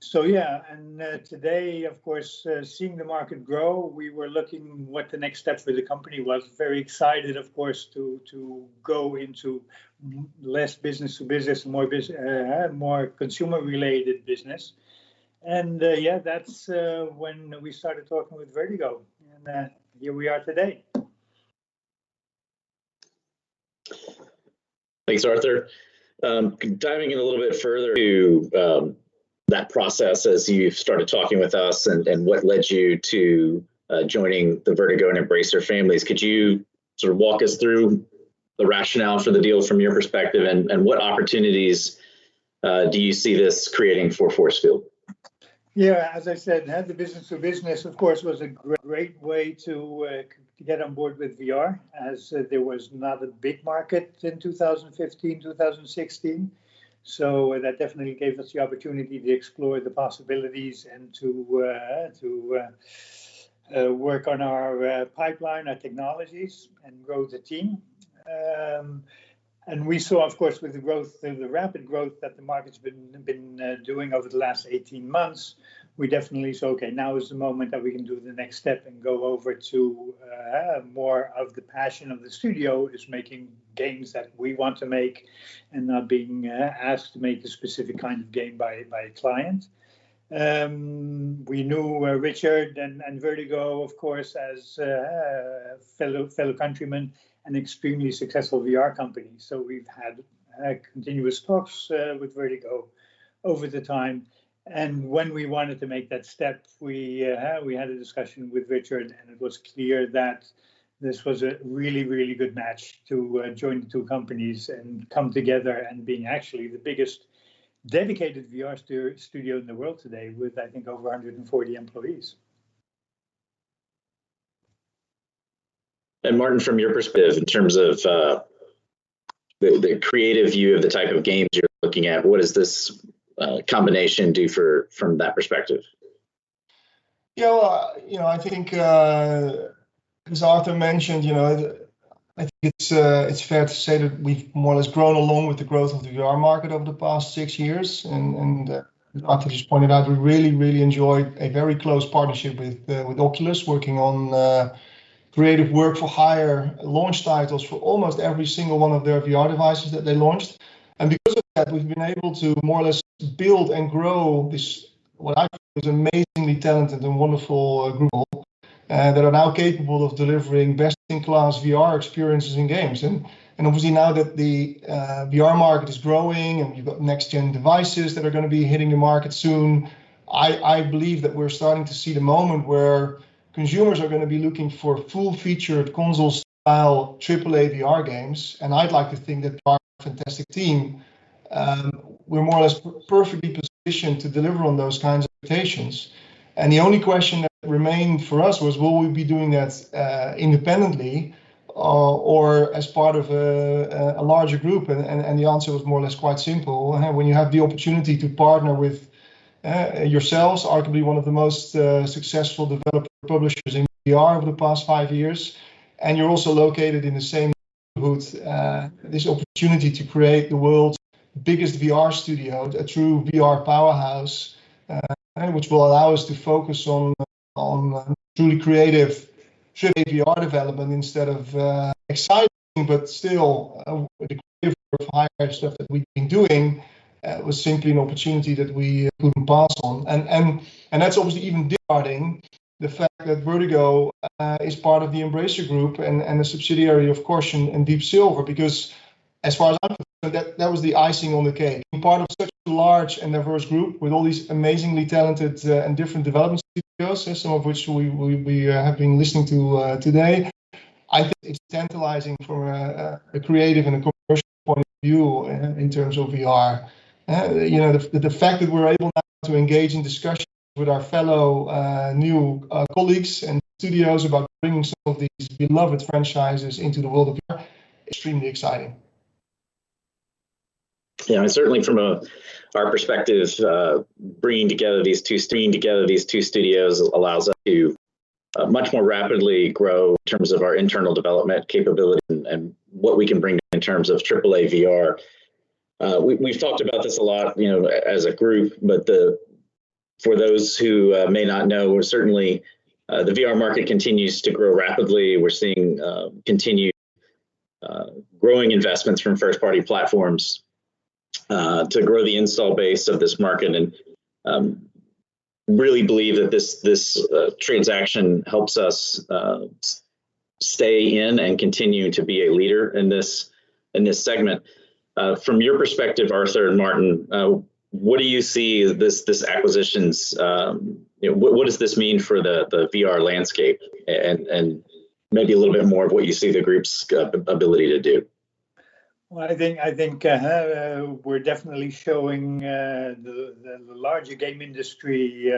Today, of course, seeing the market grow, we were looking what the next step for the company was, very excited, of course, to go into less business to business and more consumer related business. That's when we started talking with Vertigo, and here we are today. Thanks, Arthur. Diving in a little bit further to that process as you started talking with us and what led you to joining the Vertigo and Embracer families, could you sort of walk us through the rationale for the deal from your perspective and what opportunities do you see this creating for Force Field? Yeah, as I said, the business to business of course, was a great way to get on board with VR, as there was not a big market in 2015, 2016. That definitely gave us the opportunity to explore the possibilities and to work on our pipeline, our technologies, and grow the team. We saw, of course, with the rapid growth that the market's been doing over the last 18 months, we definitely saw, okay, now is the moment that we can do the next step and go over to more of the passion of the studio, is making games that we want to make and not being asked to make a specific kind of game by a client. We knew Richard and Vertigo, of course, as fellow countrymen, an extremely successful VR company. We've had continuous talks with Vertigo over the time, and when we wanted to make that step, we had a discussion with Richard and it was clear that this was a really good match to join the two companies and come together and being actually the biggest dedicated VR studio in the world today with, I think, over 140 employees. Martin, from your perspective in terms of the creative view of the type of games you're looking at, what does this combination do from that perspective? Yeah, I think as Arthur mentioned, you know I think it's fair to say that we've more or less grown along with the growth of the VR market over the past six years. As Arthur just pointed out, we really enjoy a very close partnership with Oculus, working on creative work-for-hire launch titles for almost every single one of their VR devices that they launched. Because of that, we've been able to more or less build and grow this, what I think is amazingly talented and wonderful group of people that are now capable of delivering best-in-class VR experiences and games. Obviously now that the VR market is growing and you've got next gen devices that are going to be hitting the market soon, I believe that we're starting to see the moment where consumers are going to be looking for full-featured, console-style, triple-A VR games. I'd like to think that with our fantastic team, we're more or less perfectly positioned to deliver on those kinds of expectations. The only question that remained for us was, will we be doing that independently or as part of a larger group? The answer was more or less quite simple. When you have the opportunity to partner with yourselves, arguably one of the most successful developer publishers in VR over the past five years, and you're also located in the same neighborhood, this opportunity to create the world's biggest VR studio, a true VR powerhouse, which will allow us to focus on truly creative triple-A VR development instead of exciting, but still creative work-for-hire stuff that we've been doing, was simply an opportunity that we couldn't pass on. That's obviously even disregarding the fact that Vertigo is part of the Embracer Group and a subsidiary, of course, in Deep Silver, because as far as I'm concerned, that was the icing on the cake. Being part of such a large and diverse group with all these amazingly talented and different development studios, some of which we have been listening to today, I think it's tantalizing from a creative and a commercial point of view in terms of VR. The fact that we're able now to engage in discussions with our fellow new colleagues and studios about bringing some of these beloved franchises into the world of VR is extremely exciting. Certainly from our perspective, bringing together these two studios allows us to much more rapidly grow in terms of our internal development capability and what we can bring in terms of triple-A VR. We've talked about this a lot as a group, but for those who may not know, certainly the VR market continues to grow rapidly. We're seeing continued growing investments from first party platforms to grow the install base of this market, and really believe that this transaction helps us stay in, and continue to be a leader in this segment. From your perspective, Arthur and Martin, what does this mean for the VR landscape? Maybe a little bit more of what you see the group's ability to do. I think we're definitely showing the larger game industry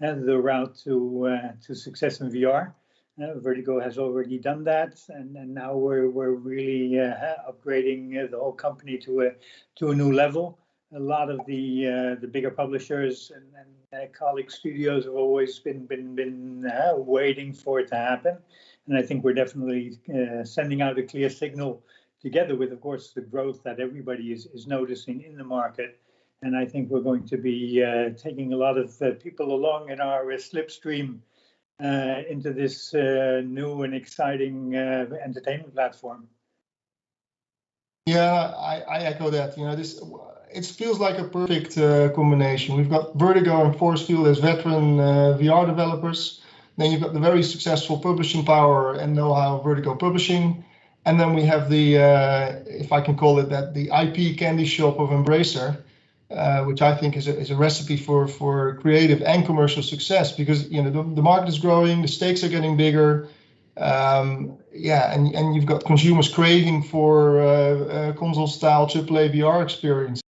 the route to success in VR. Vertigo has already done that, now we're really upgrading the whole company to a new level. A lot of the bigger publishers and colleague studios have always been waiting for it to happen, and I think we're definitely sending out a clear signal together with, of course, the growth that everybody is noticing in the market. I think we're going to be taking a lot of people along in our slipstream into this new and exciting entertainment platform. I echo that. It feels like a perfect combination. We've got Vertigo and Force Field as veteran VR developers, you've got the very successful publishing power and know-how of Vertigo Publishing, we have the, if I can call it that, the IP candy shop of Embracer, which I think is a recipe for creative and commercial success because the market is growing, the stakes are getting bigger, and you've got consumers craving for console-style, triple-A VR experiences.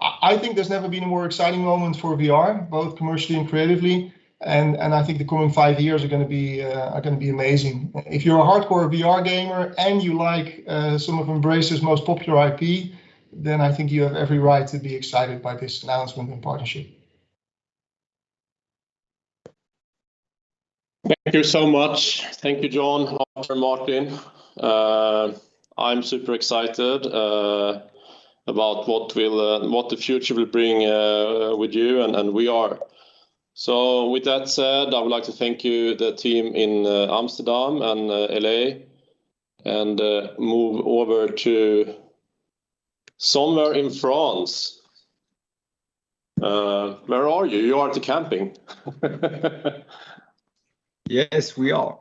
I think there's never been a more exciting moment for VR, both commercially and creatively, and I think the coming five years are going to be amazing. If you're a hardcore VR gamer and you like some of Embracer's most popular IP, I think you have every right to be excited by this announcement and partnership. Thank you so much. Thank you, John, Arthur, and Martin. I am super excited about what the future will bring with you and we are. With that said, I would like to thank you, the team in Amsterdam and L.A., and move over to somewhere in France. Where are you? You are at the camping. Yes, we are.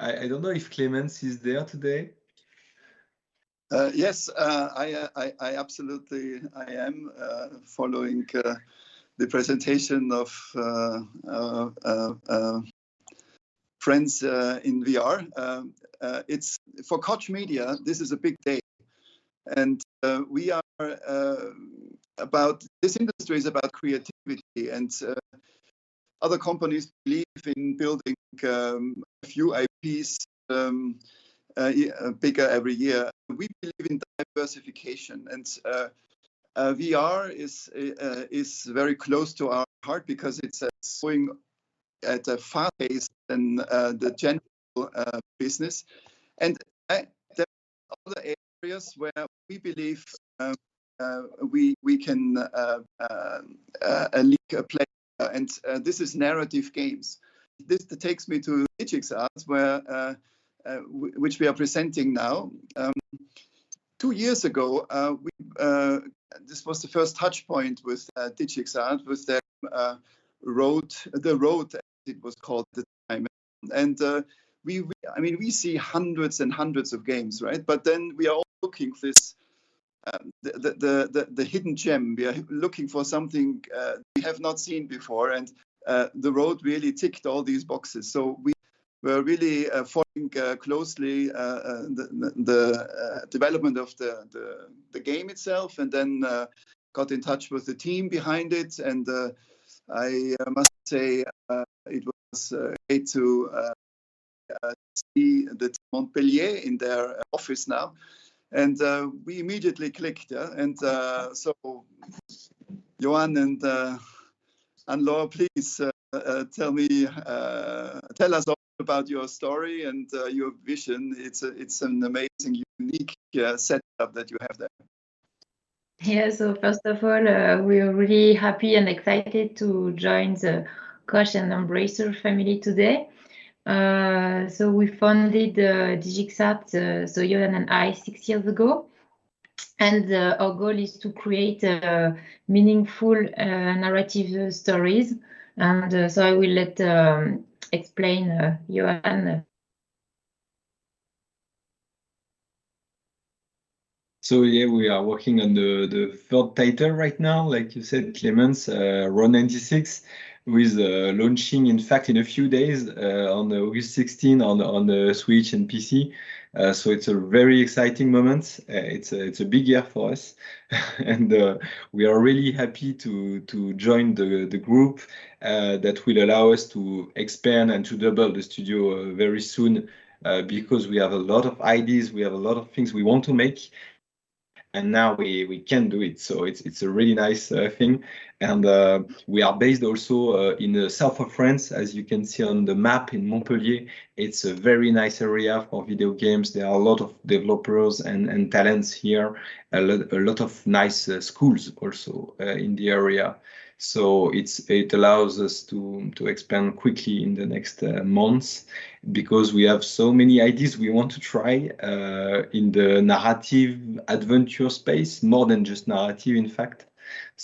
I don't know if Klemens is there today. Yes. I absolutely am, following the presentation of friends in VR. For Koch Media, this is a big day. This industry is about creativity, other companies believe in building a few IPs bigger every year. We believe in diversification. VR is very close to our heart because it's growing at a fast pace in the general business. There are other areas where we believe we can play. This is narrative games. This takes me to Digixart, which we are presenting now. Two years ago, this was the first touch point with Digixart, was that Road, the Road, I think it was called at the time. We see hundreds and hundreds of games, right? We are all looking for the hidden gem. We are looking for something we have not seen before, and the Road really ticked all these boxes. We were really following closely the development of the game itself, and then got in touch with the team behind it. I must say, it was great to see the team in Montpellier in their office now, and we immediately clicked. Yoan and Laure, please tell us all about your story and your vision. It's an amazing, unique setup that you have there. First of all, we are really happy and excited to join the Koch and Embracer family today. We founded DigixArt, Yoan and I, six years ago, and our goal is to create meaningful narrative stories. I will let Yoan explain. Yeah, we are working on the third title right now, like you said, Klemens, Road 96, with launching, in fact, in a few days, on August 16, on the Switch and PC. It's a very exciting moment. It's a big year for us, and we are really happy to join the group. That will allow us to expand and to double the studio very soon, because we have a lot of ideas, we have a lot of things we want to make, and now we can do it, so it's a really nice thing. We are based also in the south of France, as you can see on the map, in Montpellier. It's a very nice area for video games. There are a lot of developers and talents here, a lot of nice schools also in the area. It allows us to expand quickly in the next months because we have so many ideas we want to try in the narrative adventure space, more than just narrative, in fact.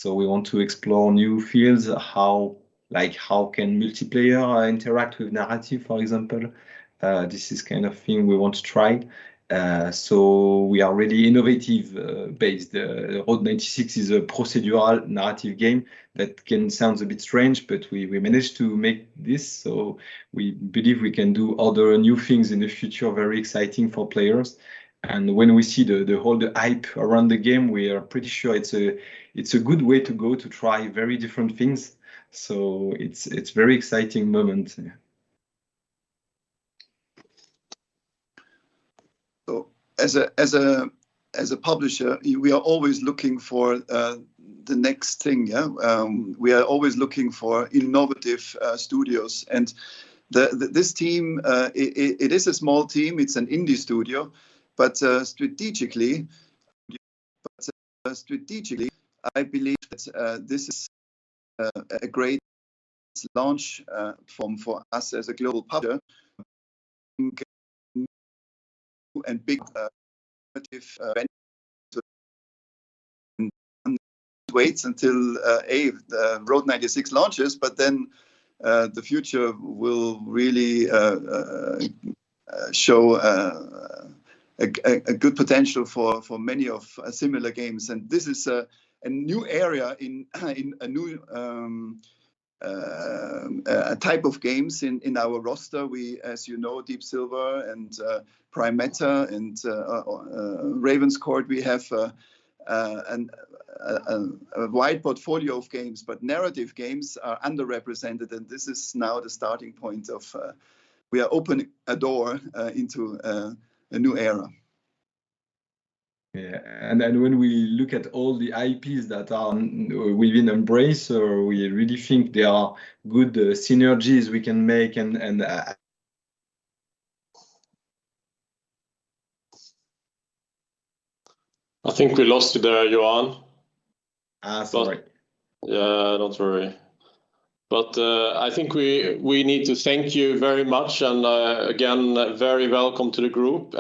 We want to explore new fields, like how can multiplayer interact with narrative, for example. This is the kind of thing we want to try. We are really innovative-based. Road 96 is a procedural narrative game. That can sound a bit strange, but we managed to make this, so we believe we can do other new things in the future, very exciting for players. When we see all the hype around the game, we are pretty sure it's a good way to go to try very different things. It's a very exciting moment. Yeah. As a publisher, we are always looking for the next thing, yeah. We are always looking for innovative studios. This team, it is a small team, it's an indie studio, but strategically, I believe that this is a great launch for us as a global publisher and big waits until Road 96 launches. The future will really show a good potential for many similar games. This is a new area and a new type of game in our roster. We, as you know, Deep Silver and Prime Matter, and Ravenscourt, we have a wide portfolio of games, but narrative games are underrepresented. This is now the starting point of, we are opening a door into a new era. Yeah. When we look at all the IPs that are within Embracer, we really think there are good synergies we can make. I think we lost you there, Yoan. Sorry. Yeah, don't worry. I think we need to thank you very much, and again, very welcome to the group.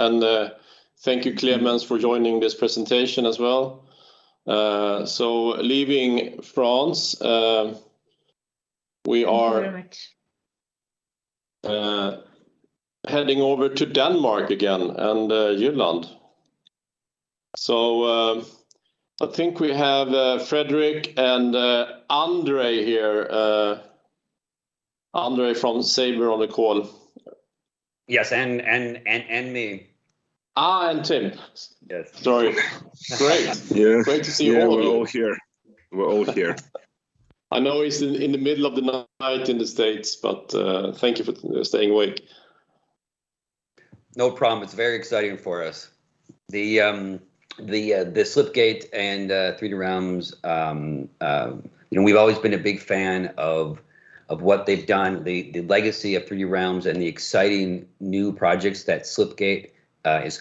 Thank you, Klemens, for joining this presentation as well. Leaving France. Thank you very much. heading over to Denmark again, and Jutland. I think we have Frederik and Andrey here. Andrey from Saber on the call. Yes, and me. Tim. Yes. Sorry. Great. Great to see you all here. Yeah, we're all here. We're all here. I know it's in the middle of the night in the States, but thank you for staying awake. No problem. It's very exciting for us. The Slipgate and 3D Realms, we've always been a big fan of what they've done, the legacy of 3D Realms, and the exciting new projects that Slipgate has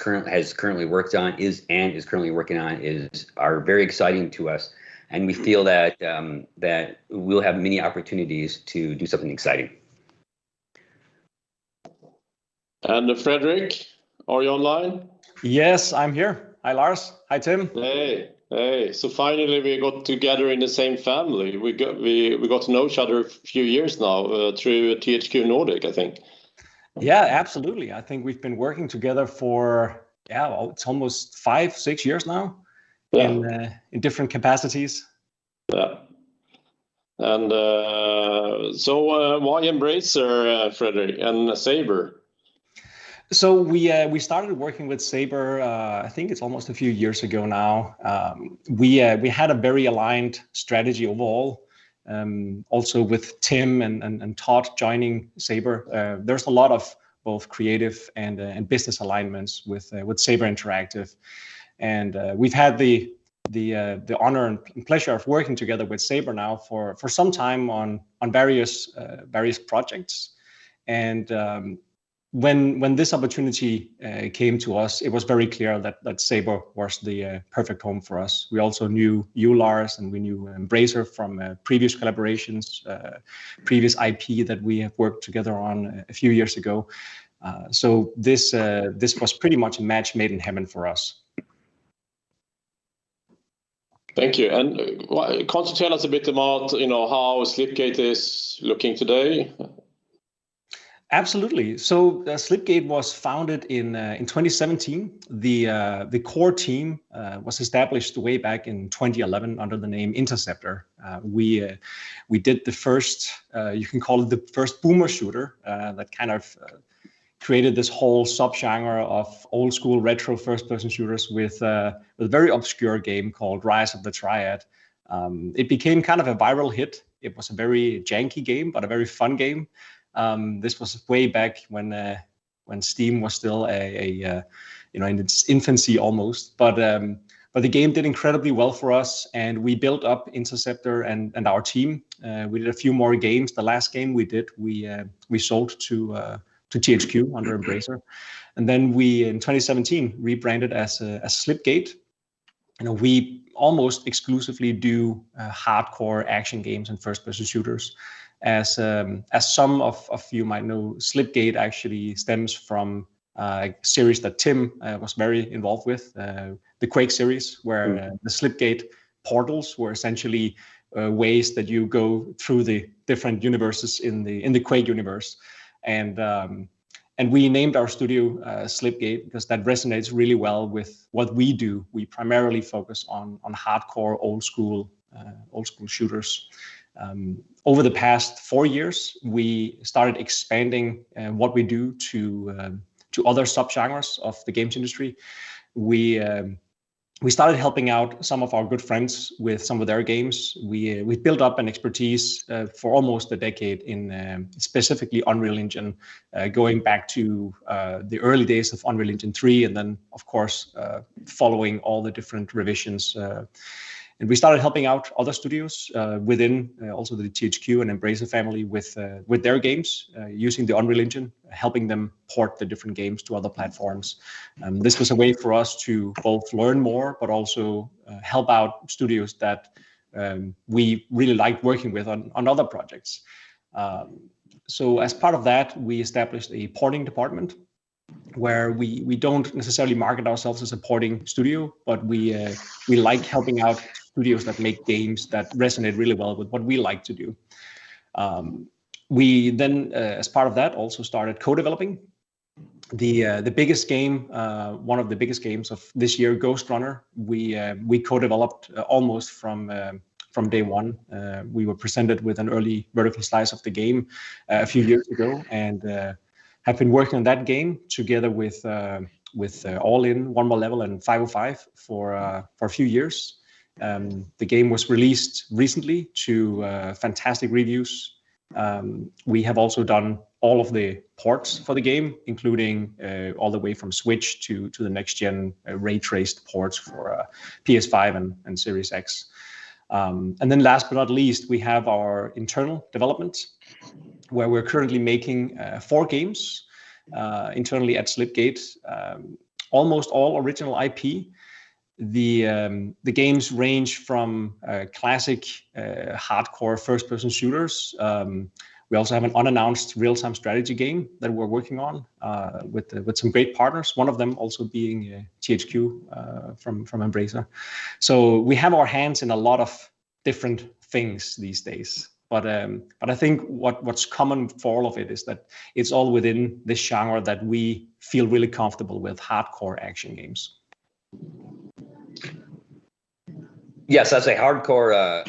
currently worked on and is currently working on are very exciting to us, and we feel that we'll have many opportunities to do something exciting. Frederik, are you online? Yes, I'm here. Hi, Lars. Hi, Tim. Hey. Finally, we got together in the same family. We got to know each other a few years now through THQ Nordic, I think. Yeah, absolutely, I think we've been working together for, it's almost five, six years now. Yeah In different capacities. Yeah. Why Embracer, Frederik, and Saber? We started working with Saber, I think it's almost a few years ago now. We had a very aligned strategy overall. Also with Tim and Todd joining Saber, there's a lot of both creative and business alignments with Saber Interactive. We've had the honor and pleasure of working together with Saber now for some time on various projects. When this opportunity came to us, it was very clear that Saber was the perfect home for us. We also knew you, Lars, and we knew Embracer from previous collaborations, previous IP that we have worked together on a few years ago. This was pretty much a match made in heaven for us. Thank you. Why don't you tell us a bit about how Slipgate is looking today? Absolutely. Slipgate was founded in 2017. The core team was established way back in 2011 under the name Interceptor. We did, you can call it, the first boomer shooter, that kind of created this whole sub-genre of old-school, retro, first-person shooters with a very obscure game called Rise of the Triad. It became kind of a viral hit. It was a very janky game, but a very fun game. This was way back when Steam was still in its infancy almost. The game did incredibly well for us, and we built up Interceptor and our team. We did a few more games. The last game we did, we sold to THQ under Embracer. Then we, in 2017, rebranded as Slipgate, and we almost exclusively do hardcore action games and first-person shooters. As some of you might know, Slipgate actually stems from a series that Tim was very involved with, the Quake series, where the Slipgate portals were essentially ways that you go through the different universes in the Quake universe. We named our studio Slipgate because that resonates really well with what we do. We primarily focus on hardcore, old-school shooters. Over the past four years, we started expanding what we do to other sub-genres of the games industry. We started helping out some of our good friends with some of their games. We built up an expertise for almost a decade in specifically Unreal Engine, going back to the early days of Unreal Engine 3, and then, of course, following all the different revisions. We started helping out other studios within also the THQ Nordic and Embracer Group family with their games, using the Unreal Engine, helping them port the different games to other platforms. This was a way for us to both learn more, but also help out studios that we really liked working with on other projects. As part of that, we established a porting department, where we don't necessarily market ourselves as a porting studio, but we like helping out studios that make games that resonate really well with what we like to do. We then, as part of that, also started co-developing. The biggest game, one of the biggest games of this year, Ghostrunner, we co-developed almost from day one. We were presented with an early vertical slice of the game a few years ago and have been working on that game together with All in, One More Level, and 505 for a few years. The game was released recently to fantastic reviews. We have also done all of the ports for the game, including all the way from Switch to the next-gen ray traced ports for PS5 and Series X. Last but not least, we have our internal development, where we're currently making four games internally at Slipgate, almost all original IP. The games range from classic hardcore first-person shooters. We also have an unannounced real-time strategy game that we're working on with some great partners, one of them also being THQ from Embracer. We have our hands in a lot of different things these days, but I think what's common for all of it is that it's all within this genre that we feel really comfortable with, hardcore action games. Yes, as a hardcore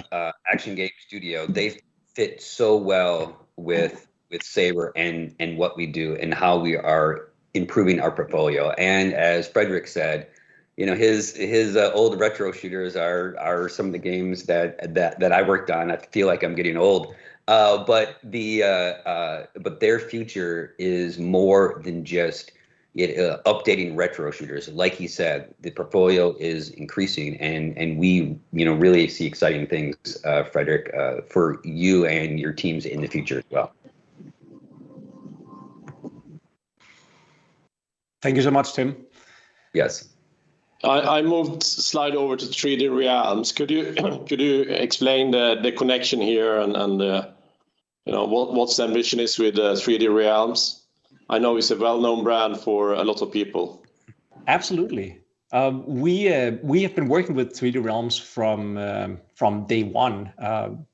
action game studio, they fit so well with Saber and what we do and how we are improving our portfolio. As Frederik said. His old retro shooters are some of the games that I worked on. I feel like I'm getting old. Their future is more than just updating retro shooters. Like he said, the portfolio is increasing, and we really see exciting things, Frederik, for you and your teams in the future as well. Thank you so much, Tim. Yes. I moved slide over to the 3D Realms. Could you explain the connection here and what the ambition is with 3D Realms? I know it's a well-known brand for a lot of people. Absolutely. We have been working with 3D Realms from day 1.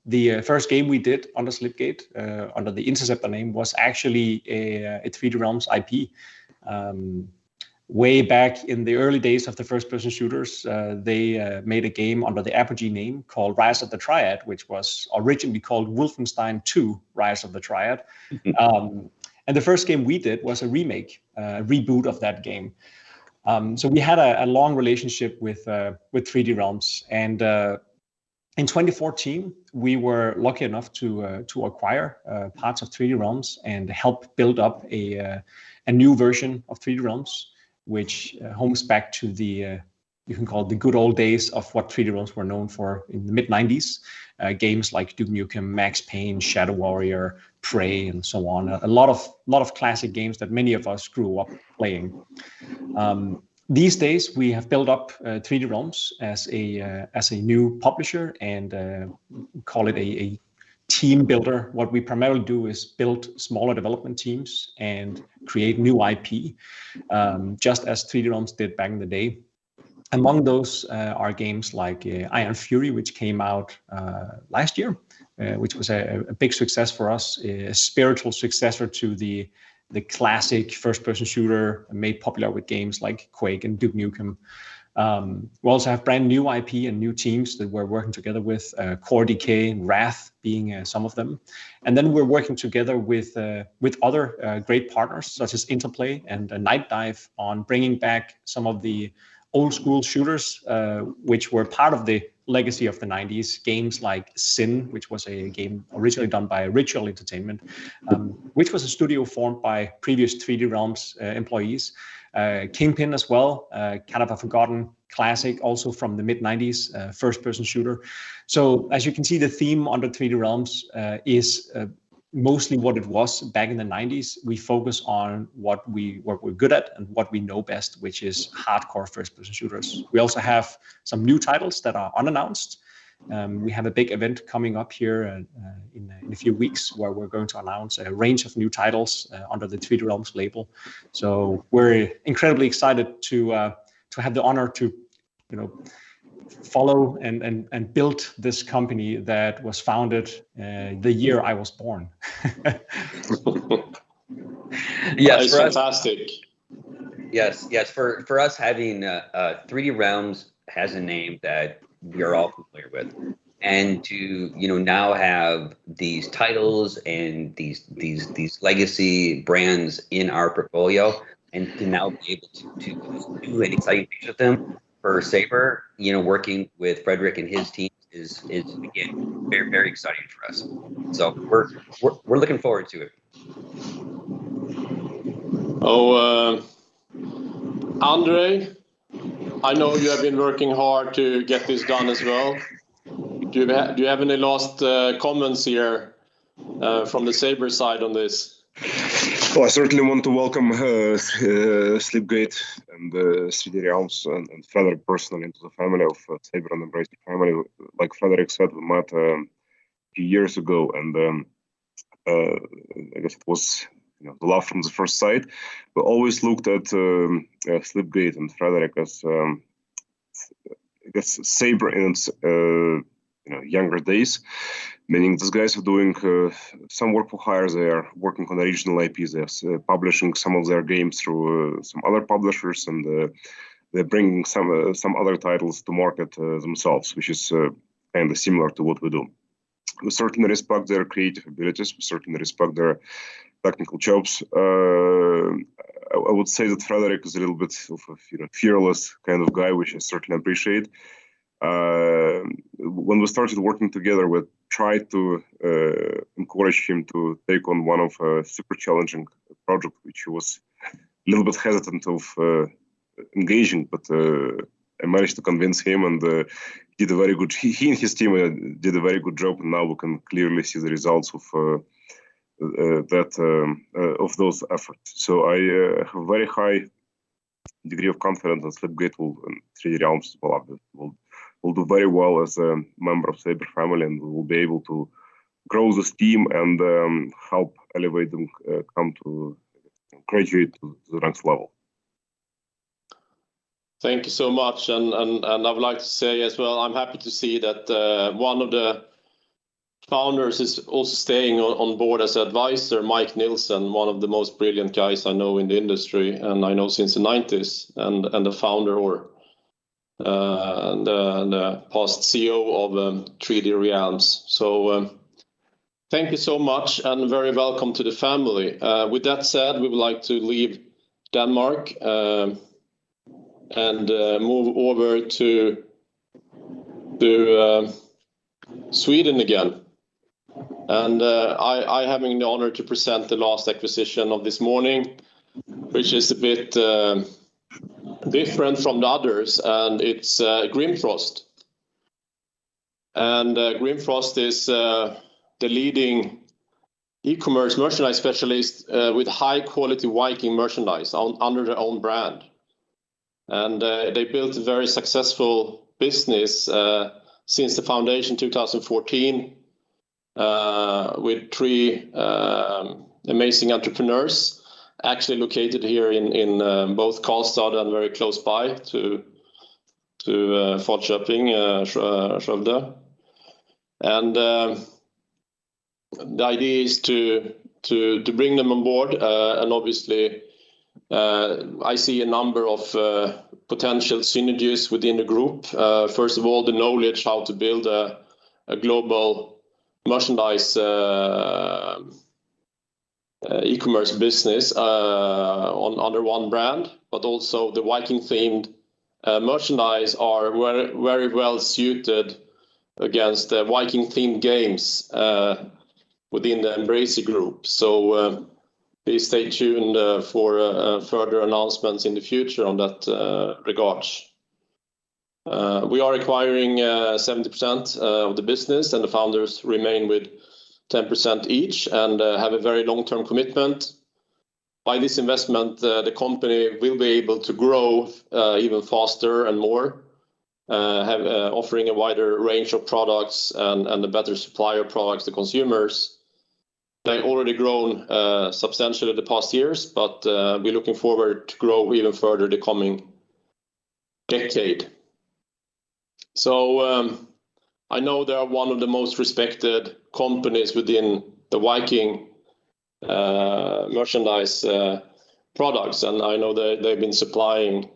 The first game we did under Slipgate, under the Interceptor name, was actually a 3D Realms IP. Way back in the early days of the first-person shooters, they made a game under the Apogee name called Rise of the Triad, which was originally called Wolfenstein 2: Rise of the Triad. The first game we did was a remake, a reboot of that game. We had a long relationship with 3D Realms. In 2014, we were lucky enough to acquire parts of 3D Realms and help build up a new version of 3D Realms, which harks back to the, you can call it, the good old days of what 3D Realms were known for in the mid-1990s. Games like Duke Nukem, Max Payne, Shadow Warrior, Prey, and so on. A lot of classic games that many of us grew up playing. These days, we have built up 3D Realms as a new publisher and call it a team builder. What we primarily do is build smaller development teams and create new IP, just as 3D Realms did back in the day. Among those are games like Ion Fury, which came out last year, which was a big success for us, a spiritual successor to the classic first-person shooter made popular with games like Quake and Duke Nukem. We also have brand-new IP and new teams that we're working together with, Core Decay and WRATH being some of them. We're working together with other great partners, such as Interplay and Nightdive, on bringing back some of the old-school shooters, which were part of the legacy of the '90s. Games like SiN, which was a game originally done by Ritual Entertainment, which was a studio formed by previous 3D Realms employees. Kingpin as well, kind of a forgotten classic also from the mid-'90s, a first-person shooter. As you can see, the theme under 3D Realms is mostly what it was back in the '90s. We focus on what we're good at and what we know best, which is hardcore first-person shooters. We also have some new titles that are unannounced. We have a big event coming up here in a few weeks where we're going to announce a range of new titles under the 3D Realms label. We're incredibly excited to have the honor to follow and build this company that was founded the year I was born. Yes. That's fantastic. Yes. For us, having 3D Realms has a name that we are all familiar with, and to now have these titles and these legacy brands in our portfolio, and to now be able to do and excite with them for Saber, working with Frederik and his team is, again, very exciting for us. We're looking forward to it. Andrey, I know you have been working hard to get this done as well. Do you have any last comments here from the Saber side on this? Well, I certainly want to welcome Slipgate and 3D Realms and Frederik personally into the family of Saber and Embracer family. Like Frederik said, we met a few years ago. I guess it was love from the first sight. We always looked at Slipgate and Frederik as, I guess, Saber in its younger days, meaning these guys are doing some work for hire. They are working on original IPs. They are publishing some of their games through some other publishers. They are bringing some other titles to market themselves, which is similar to what we do. We certainly respect their creative abilities. We certainly respect their technical chops. I would say that Frederik is a little bit of a fearless kind of guy, which I certainly appreciate. When we started working together, we tried to encourage him to take on one of our super challenging project, which he was a little bit hesitant of engaging. I managed to convince him. He and his team did a very good job. Now we can clearly see the results of those efforts. I have a very high degree of confidence that Slipgate and 3D Realms will do very well as a member of Saber family. We will be able to grow this team and help elevate them to graduate to the next level. Thank you so much, and I would like to say as well, I'm happy to see that one of the founders is also staying on board as advisor, Mike Nielsen, one of the most brilliant guys I know in the industry, and I know since the '90s, and the founder or the past CEO of 3D Realms. Thank you so much, and very welcome to the family. With that said, we would like to leave Denmark and move over to Sweden again. I have the honor to present the last acquisition of this morning, which is a bit different from the others, and it's Grimfrost. Grimfrost is the leading e-commerce merchandise specialist with high-quality Viking merchandise under their own brand. They built a very successful business since the foundation 2014, with three amazing entrepreneurs, actually located here in both Karlstad and very close by to Linköping, Skövde. The idea is to bring them on board, and obviously, I see a number of potential synergies within the group. First of all, the knowledge how to build a global merchandise e-commerce business under one brand, but also the Viking-themed merchandise are very well-suited against the Viking-themed games within the Embracer Group. Please stay tuned for further announcements in the future on that regards. We are acquiring 70% of the business, and the founders remain with 10% each, and have a very long-term commitment. By this investment, the company will be able to grow even faster and more, offering a wider range of products, and a better supply of products to consumers. They already grown substantially the past years, but we're looking forward to grow even further the coming decade. I know they are one of the most respected companies within the Viking merchandise products, and I know they've been supplying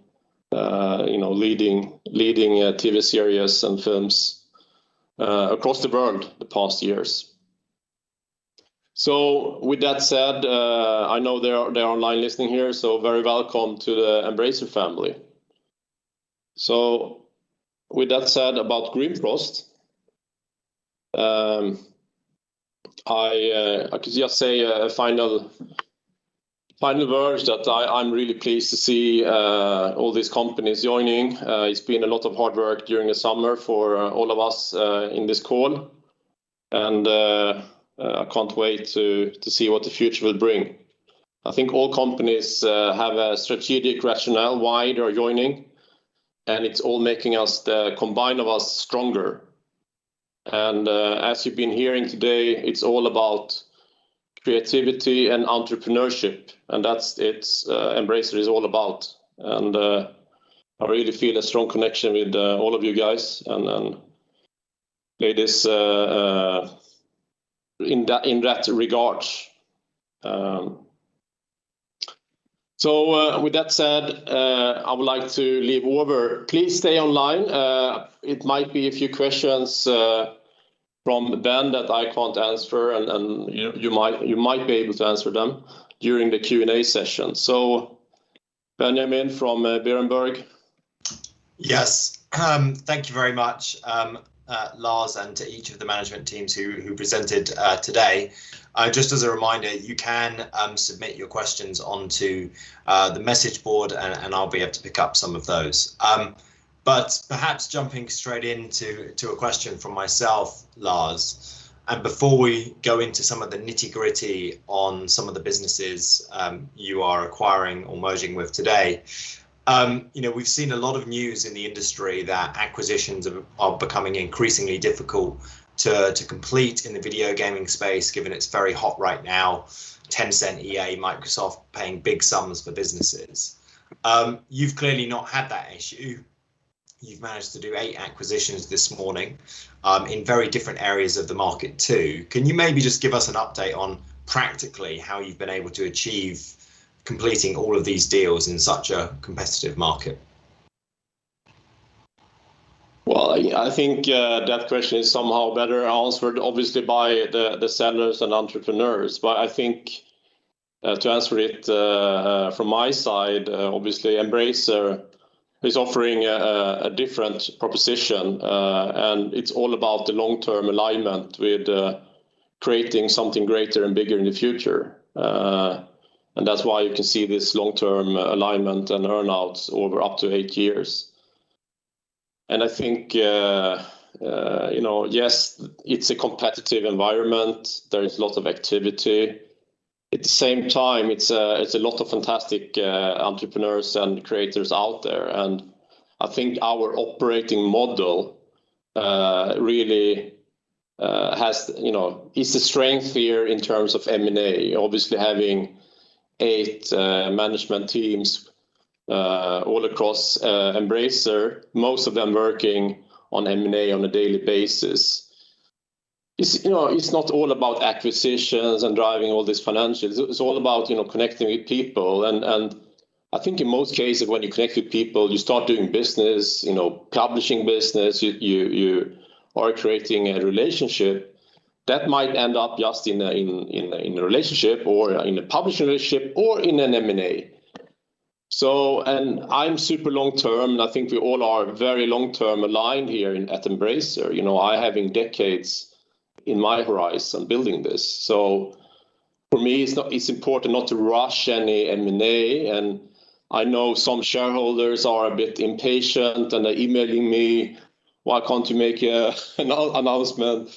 leading TV series and films across the world the past years. With that said, I know they are online listening here, so very welcome to the Embracer family. With that said about Grimfrost, I could just say a final words that I'm really pleased to see all these companies joining. It's been a lot of hard work during the summer for all of us in this call and I can't wait to see what the future will bring. I think all companies have a strategic rationale why they are joining, and it's all making us, the combine of us, stronger. As you've been hearing today, it's all about creativity and entrepreneurship, and that's what Embracer is all about. I really feel a strong connection with all of you guys and in that regards. With that said, I would like to leave over. Please stay online. It might be a few questions from Ben that I can't answer, and you might be able to answer them during the Q&A session. Benjamin from Berenberg? Yes. Thank you very much Lars, and to each of the management teams who presented today, and just as a reminder, you can submit your questions onto the message board, and I'll be able to pick up some of those. Perhaps jumping straight into a question from myself, Lars, and before we go into some of the nitty-gritty on some of the businesses you are acquiring or merging with today. We've seen a lot of news in the industry that acquisitions are becoming increasingly difficult to complete in the video gaming space, given it's very hot right now. Tencent, EA, Microsoft paying big sums for businesses. You've clearly not had that issue. You've managed to do eight acquisitions this morning in very different areas of the market too. Can you maybe just give us an update on practically how you've been able to achieve completing all of these deals in such a competitive market? Well, I think that question is somehow better answered obviously by the sellers and entrepreneurs. I think to answer it from my side, obviously Embracer is offering a different proposition, and it's all about the long-term alignment with creating something greater and bigger in the future. That's why you can see this long-term alignment and earn-outs over up to right years. I think, yes, it's a competitive environment. There is a lot of activity. At the same time, it's a lot of fantastic entrepreneurs and creators out there, and I think our operating model really is the strength here in terms of M&A, obviously having eight management teams all across Embracer, most of them working on M&A on a daily basis. It's not all about acquisitions and driving all these financials. It's all about connecting with people, and I think in most cases when you connect with people, you start doing business, publishing business, you are creating a relationship that might end up just in a relationship or in a publishing relationship or in an M&A. I'm super long-term, and I think we all are very long-term aligned here at Embracer. I have decades in my horizon building this. For me, it's important not to rush any M&A, and I know some shareholders are a bit impatient, and they're emailing me, "Why can't you make an announcement?"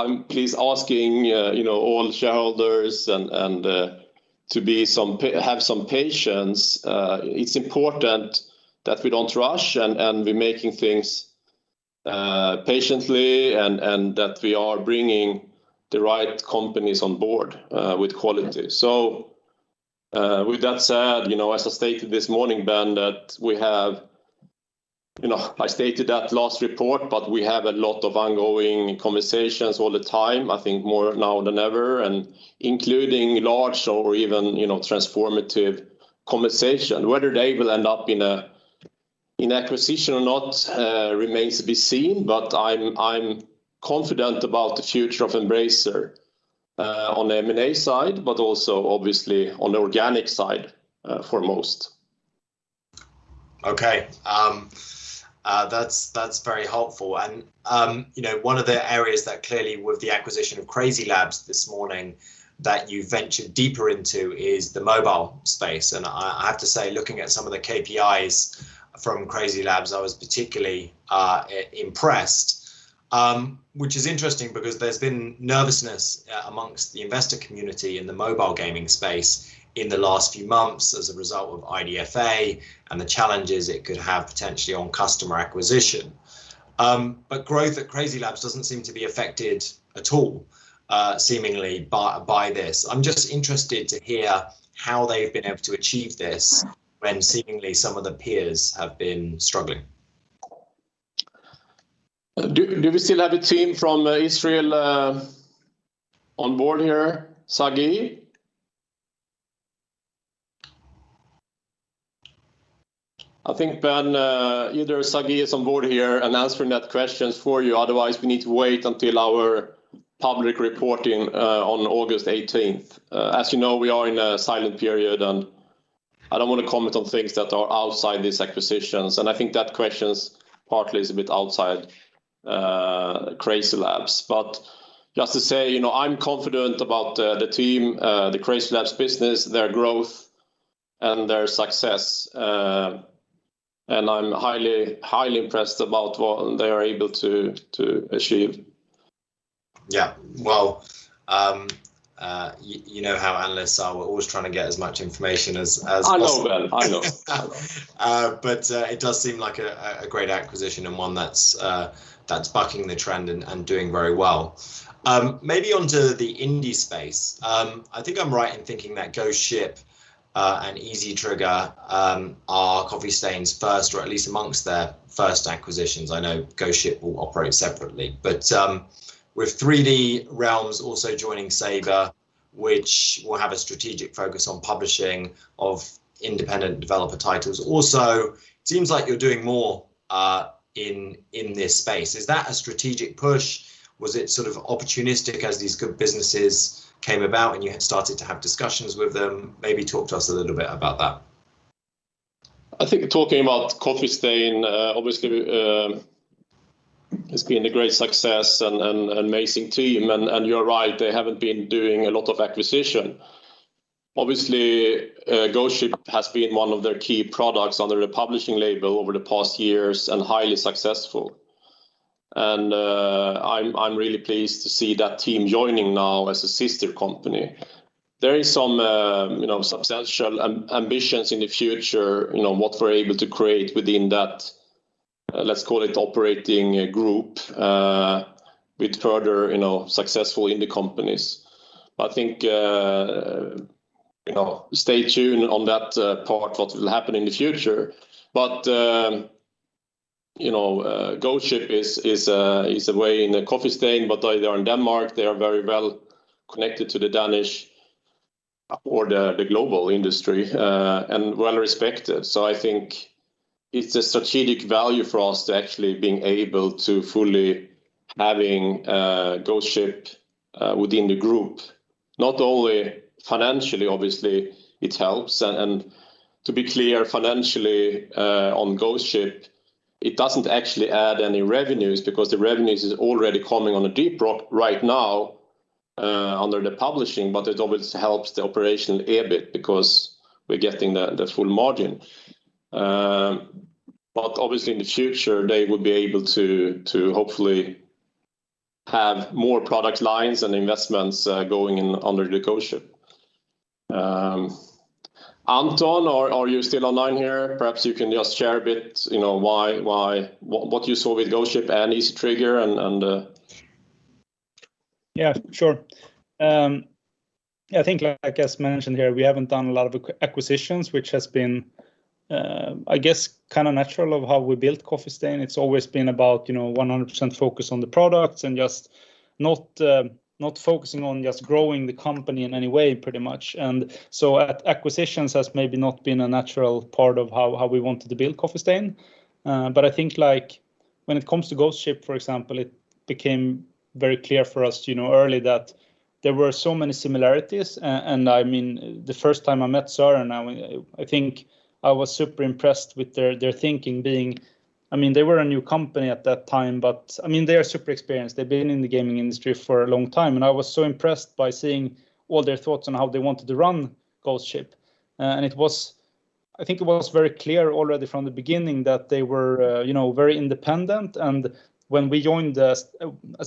I'm please asking all shareholders to have some patience. It's important that we don't rush, and we're making things patiently, and that we are bringing the right companies on board with quality. With that said, as I stated this morning, Ben, that I stated that last report, but we have a lot of ongoing conversations all the time, I think more now than ever, and including large or even transformative conversation. Whether they will end up in acquisition or not remains to be seen. I'm confident about the future of Embracer, on the M&A side, but also obviously on the organic side for most. Okay, that's very helpful. One of the areas that clearly with the acquisition of CrazyLabs this morning that you ventured deeper into is the mobile space, and I have to say, looking at some of the KPIs from CrazyLabs, I was particularly impressed, which is interesting because there's been nervousness amongst the investor community in the mobile gaming space in the last few months as a result of IDFA and the challenges it could have potentially on customer acquisition. Growth at CrazyLabs doesn't seem to be affected at all seemingly by this. I'm just interested to hear how they've been able to achieve this when seemingly some of their peers have been struggling. Do we still have a team from Israel on board here? Sagi? I think, Ben, either Sagi is on board here and answering that questions for you, otherwise, we need to wait until our public reporting on August 18th. As you know, we are in a silent period, and I don't want to comment on things that are outside these acquisitions, and I think that question partly is a bit outside CrazyLabs, but just to say, I'm confident about the team, the CrazyLabs business, their growth, and their success. I'm highly impressed about what they are able to achieve. Yeah. Well, you know how analysts are, we're always trying to get as much information as possible. I know, Ben, I know. I know. It does seem like a great acquisition and one that's bucking the trend and doing very well. Onto the indie space. I think I'm right in thinking that Ghost Ship and Easy Trigger are Coffee Stain's first, or at least amongst their first acquisitions. I know Ghost Ship will operate separately. With 3D Realms also joining Saber, which will have a strategic focus on publishing of independent developer titles also, it seems like you're doing more in this space. Is that a strategic push? Was it sort of opportunistic as these good businesses came about, and you had started to have discussions with them? Talk to us a little bit about that. I think talking about Coffee Stain, obviously, it's been a great success and amazing team, and you're right, they haven't been doing a lot of acquisition. Obviously, Ghost Ship has been one of their key products under the publishing label over the past years and highly successful. I'm really pleased to see that team joining now as a sister company. There is some substantial ambitions in the future, you know, what we're able to create within that, let's call it operating group, with further successful in the companies. I think stay tuned on that part, what will happen in the future. Ghost Ship is a way in Coffee Stain, but they are in Denmark. They are very well connected to the Danish or the global industry, and well respected. I think it's a strategic value for us to actually being able to fully having Ghost Ship within the group. Not only financially, obviously, it helps. To be clear, financially, on Ghost Ship, it doesn't actually add any revenues because the revenues is already coming on a Deep Rock Galactic right now under the publishing, but it always helps the operational EBIT because we're getting the full margin. Obviously, in the future, they will be able to hopefully have more product lines and investments going in under the Ghost Ship. Anton, are you still online here? Perhaps you can just share a bit what you saw with Ghost Ship and Easy Trigger. Yeah, sure. I think, like as mentioned here, we haven't done a lot of acquisitions, which has been, I guess, natural of how we built Coffee Stain. It's always been about 100% focus on the products and just not focusing on just growing the company in any way, pretty much. Acquisitions has maybe not been a natural part of how we wanted to build Coffee Stain. I think when it comes to Ghost Ship, for example, it became very clear for us early that there were so many similarities. The first time I met Søren, I think I was super impressed with their thinking being, they were a new company at that time, they are super experienced. They've been in the gaming industry for a long time, I was so impressed by seeing all their thoughts on how they wanted to run Ghost Ship. I think it was very clear already from the beginning that they were very independent. When we joined as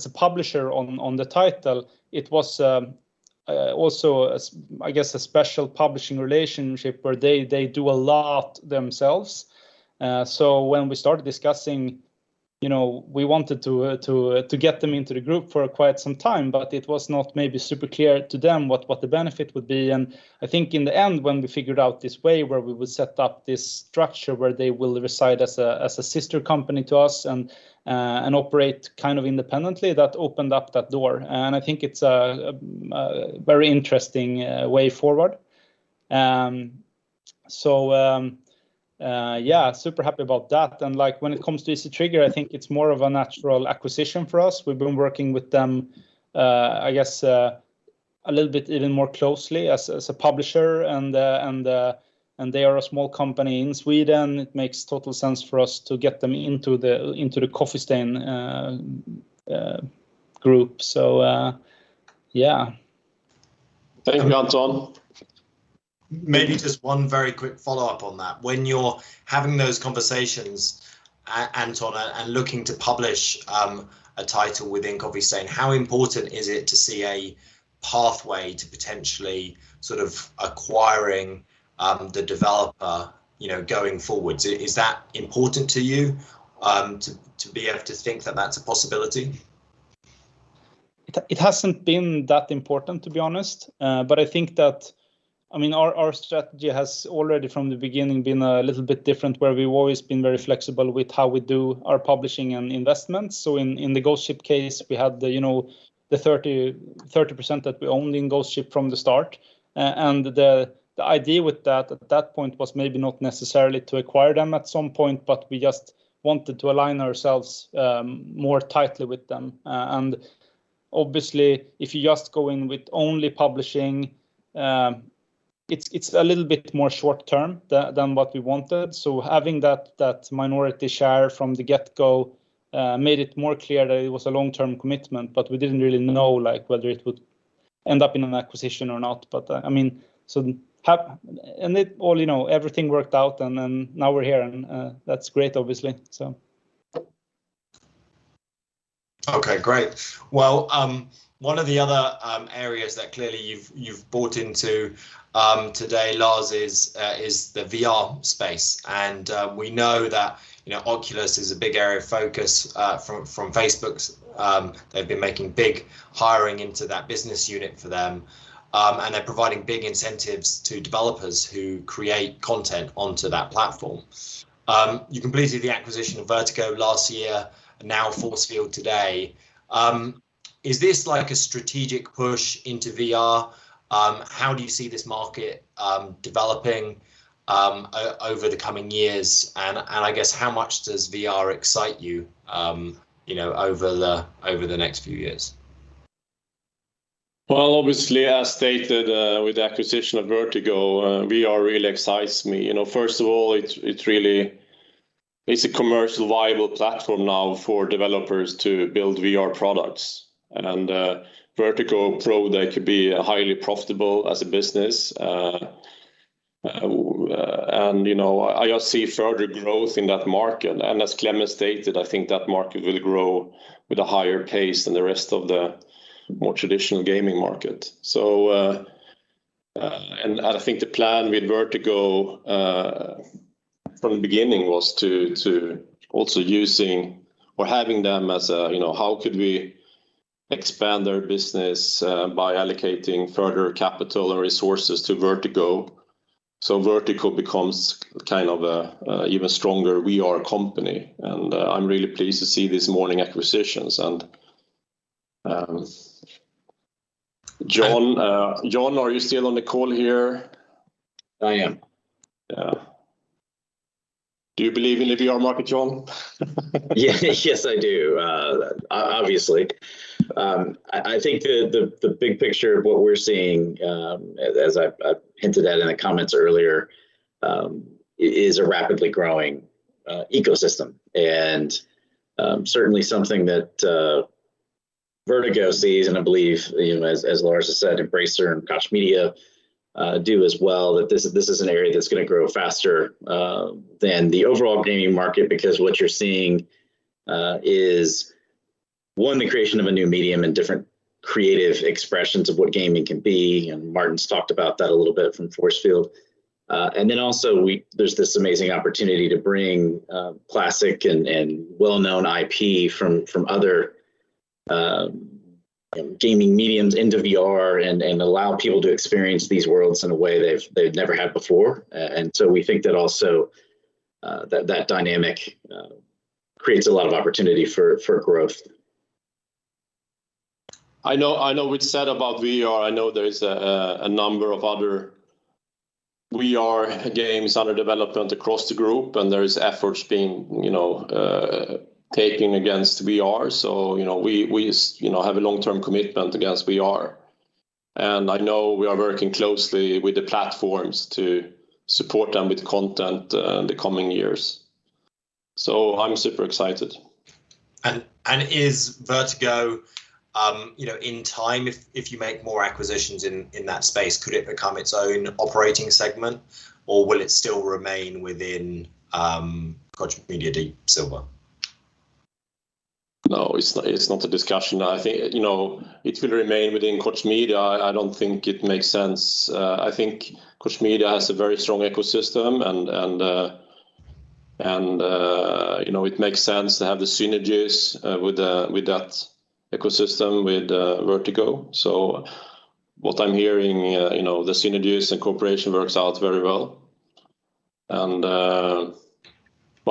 a publisher on the title, it was also, I guess, a special publishing relationship where they do a lot themselves. When we started discussing, you know, we wanted to get them into the group for quite some time, but it was not maybe super clear to them what the benefit would be. I think in the end, when we figured out this way where we would set up this structure where they will reside as a sister company to us and operate kind of independently, that opened up that door. I think it's a very interesting way forward. Yeah, super happy about that. When it comes to Easy Trigger, I think it's more of a natural acquisition for us. We've been working with them, I guess, a little bit even more closely as a publisher, and they are a small company in Sweden. It makes total sense for us to get them into the Coffee Stain Group. Yeah. Thank you, Anton. Maybe just one very quick follow-up on that. When you're having those conversations, Anton, and looking to publish a title within Coffee Stain, how important is it to see a pathway to potentially acquiring the developer going forward? Is that important to you, to be able to think that that's a possibility? It hasn't been that important, to be honest. I think that our strategy has already, from the beginning, been a little bit different, where we've always been very flexible with how we do our publishing and investments. In the Ghost Ship case, we had the 30% that we owned in Ghost Ship from the start. The idea with that at that point was maybe not necessarily to acquire them at some point, but we just wanted to align ourselves more tightly with them. Obviously, if you just go in with only publishing, it's a little bit more short-term than what we wanted. Having that minority share from the get-go made it more clear that it was a long-term commitment, but we didn't really know whether it would end up in an acquisition or not. Everything worked out, and then now we're here, and that's great, obviously. Okay, great. Well, one of the other areas that clearly you've bought into today, Lars, is the VR space. We know that Oculus is a big area of focus from Facebook's, they've been making big hiring into that business unit for them, and they're providing big incentives to developers who create content onto that platform. You completed the acquisition of Vertigo last year and now Force Field today. Is this a strategic push into VR? How do you see this market developing over the coming years? How much does VR excite you over the next few years? Well, obviously, as stated with the acquisition of Vertigo, VR really excites me. First of all, it's a commercially viable platform now for developers to build VR products. Vertigo proved they could be highly profitable as a business. I see further growth in that market. As Klemens stated, I think that market will grow with a higher pace than the rest of the more traditional gaming market. I think the plan with Vertigo from the beginning was to also expand their business by allocating further capital or resources to Vertigo so Vertigo becomes kind of an even stronger VR company. I'm really pleased to see these morning acquisitions and John, are you still on the call here? I am. Do you believe in the VR market, John? Yes, I do. Obviously. I think the big picture of what we're seeing, as I hinted at in the comments earlier, is a rapidly growing ecosystem and certainly something that Vertigo sees, and I believe, as Lars has said, Embracer and Koch Media do as well, that this is an area that's going to grow faster than the overall gaming market because what you're seeing is, one, the creation of a new medium and different creative expressions of what gaming can be, and Martin's talked about that a little bit from Force Field. Then also there's this amazing opportunity to bring classic and well-known IP from other gaming mediums into VR and allow people to experience these worlds in a way they've never had before. We think that also that dynamic creates a lot of opportunity for growth. I know it's said about VR, I know there is a number of other VR games under development across the group, and there is efforts being taken against VR. We have a long-term commitment against VR, and I know we are working closely with the platforms to support them with content in the coming years, so I'm super excited. Is Vertigo, in time if you make more acquisitions in that space, could it become its own operating segment, or will it still remain within Koch Media/Deep Silver? No, it's not a discussion. I think it will remain within Koch Media. I don't think it makes sense. I think Koch Media has a very strong ecosystem, and it makes sense to have the synergies with that ecosystem with Vertigo. What I'm hearing, the synergies and cooperation works out very well.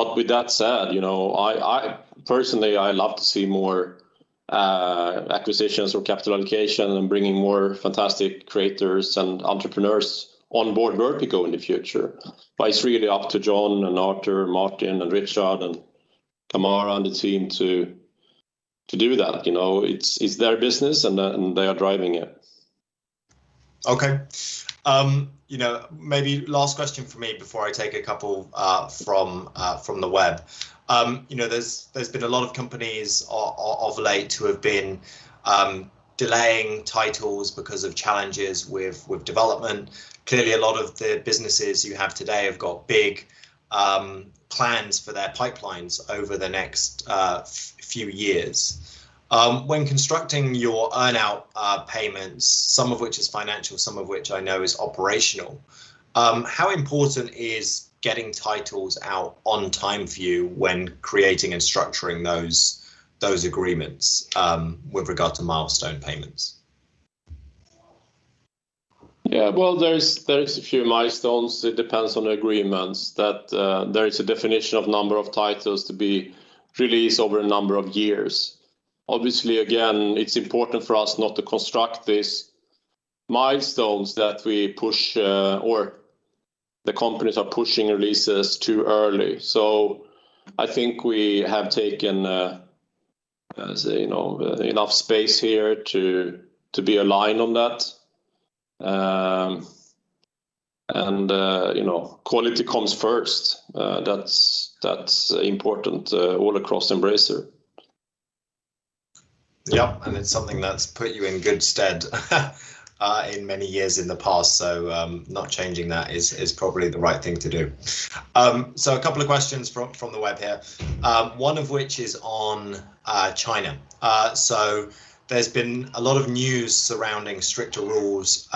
With that said, personally, I love to see more acquisitions or capital allocation and bringing more fantastic creators and entrepreneurs on board Vertigo in the future. It's really up to John and Arthur and Martin and Richard and Kumar and the team to do that. It's their business and then they are driving it. Okay. Maybe last question from me before I take a couple from the web. There has been a lot of companies of late who have been delaying titles because of challenges with development. Clearly, a lot of the businesses you have today have got big plans for their pipelines over the next few years. When constructing your earn-out payments, some of which is financial, some of which I know is operational, how important is getting titles out on time for you when creating and structuring those agreements with regard to milestone payments? Yeah. Well, there is a few milestones. It depends on the agreements, that there is a definition of number of titles to be released over a number of years. Obviously, again, it's important for us not to construct these milestones that we push, or the companies are pushing releases too early. I think we have taken enough space here to be aligned on that. Quality comes first. That's important all across Embracer. Yep, it's something that's put you in good stead in many years in the past, so not changing that is probably the right thing to do. A couple of questions from the web here, one of which is on China. There's been a lot of news surrounding stricter rules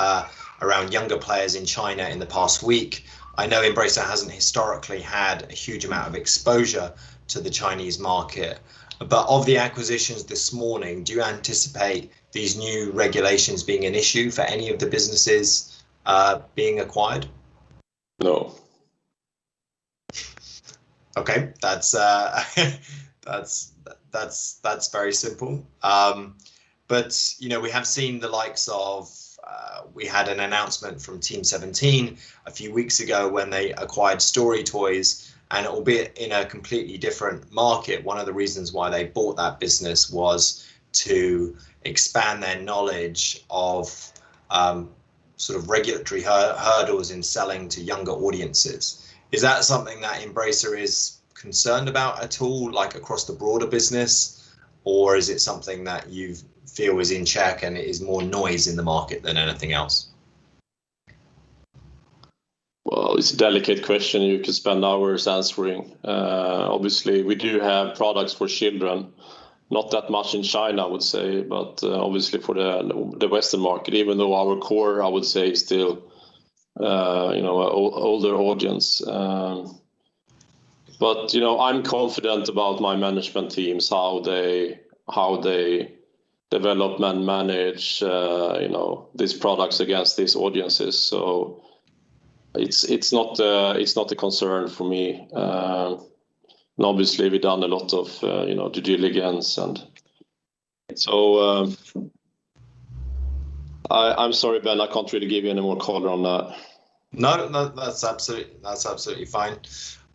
around younger players in China in the past week. I know Embracer hasn't historically had a huge amount of exposure to the Chinese market. Of the acquisitions this morning, do you anticipate these new regulations being an issue for any of the businesses being acquired? No. Okay, that's very simple. We had an announcement from Team17 a few weeks ago when they acquired StoryToys, and albeit in a completely different market, one of the reasons why they bought that business was to expand their knowledge of sort of regulatory hurdles in selling to younger audiences. Is that something that Embracer is concerned about at all, like, across the broader business, or is it something that you feel is in check and it is more noise in the market than anything else? It's a delicate question you could spend hours answering. Obviously, we do have products for children. Not that much in China, I would say, but obviously for the Western market, even though our core, I would say, is still older audience. I'm confident about my management teams, how they develop and manage these products against these audiences. It's not a concern for me. Obviously, we've done a lot of due diligence, and so I'm sorry, Ben, I can't really give you any more color on that. No, that's absolutely fine.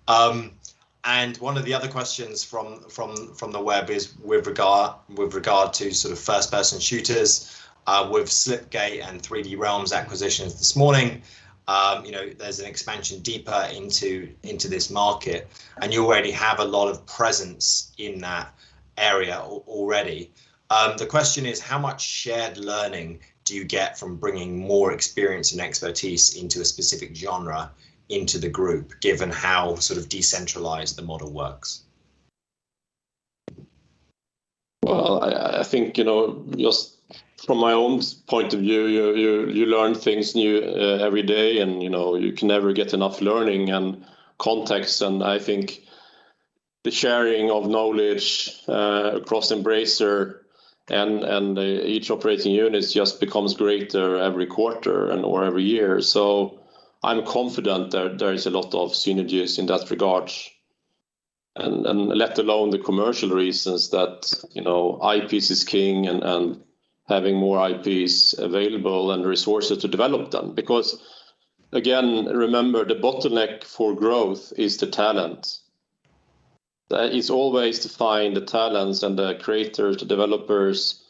One of the other questions from the web is with regard to sort of first-person shooters, with Slipgate and 3D Realms acquisitions this morning. There's an expansion deeper into this market, and you already have a lot of presence in that area already. The question is how much shared learning do you get from bringing more experience and expertise into a specific genre into the group, given how sort of decentralized the model works? Well, I think just from my own point of view, you learn things new every day, and you can never get enough learning and context. The sharing of knowledge across Embracer and each operating unit just becomes greater every quarter and/or every year. I'm confident that there is a lot of synergies in that regard, and let alone the commercial reasons that IPs is king and having more IPs available and resources to develop them. Again, remember, the bottleneck for growth is the talent. That is always to find the talents and the creators, the developers,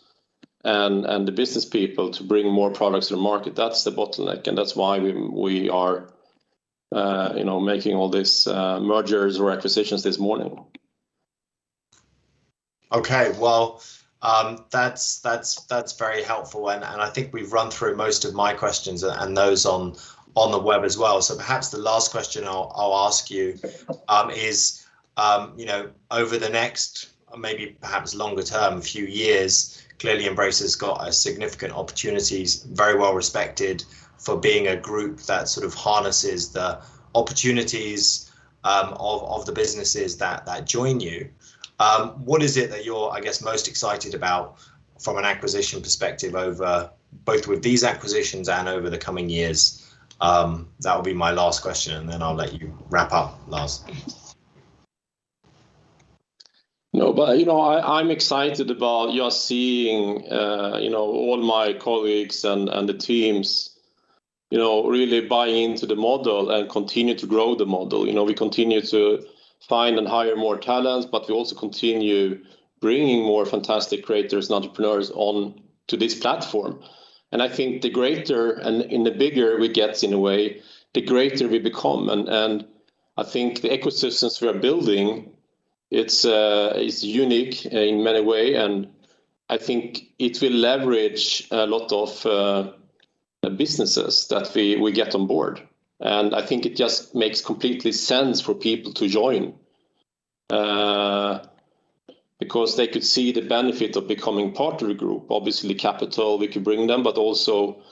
and the business people to bring more products to the market. That's the bottleneck, and that's why we are making all these mergers or acquisitions this morning. Okay. Well, that's very helpful, and I think we've run through most of my questions and those on the web as well. Perhaps the last question I'll ask you is, over the next, or maybe perhaps longer-term, a few years, clearly Embracer's got significant opportunities, very well respected for being a group that sort of harnesses the opportunities of the businesses that join you. What is it that you're most excited about from an acquisition perspective over both with these acquisitions and over the coming years? That would be my last question, then I'll let you wrap up, Lars. No, I'm excited about just seeing all my colleagues and the teams really buy into the model and continue to grow the model. We continue to find and hire more talents, but we also continue bringing more fantastic creators and entrepreneurs onto this platform. I think the greater and the bigger we get in a way, the greater we become. I think the ecosystems we are building, it's unique in many ways, and I think it will leverage a lot of businesses that we get on board. I think it just makes complete sense for people to join, because they could see the benefit of becoming part of a group. Obviously capital we could bring them, but also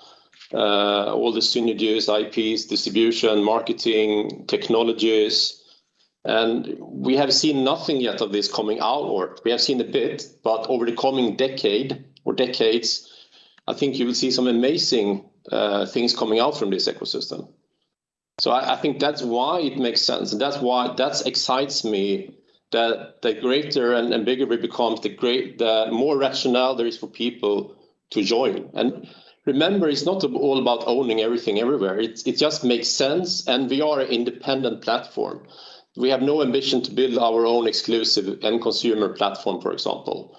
all the synergies, IPs, distribution, marketing, technologies. We have seen nothing yet of this coming out, or we have seen a bit, but over the coming decade or decades, I think you will see some amazing things coming out from this ecosystem. I think that's why it makes sense, and that's why that excites me, that the greater and bigger it becomes, the more rationale there is for people to join. Remember, it's not all about owning everything everywhere. It just makes sense, and we are an independent platform. We have no ambition to build our own exclusive end consumer platform, for example.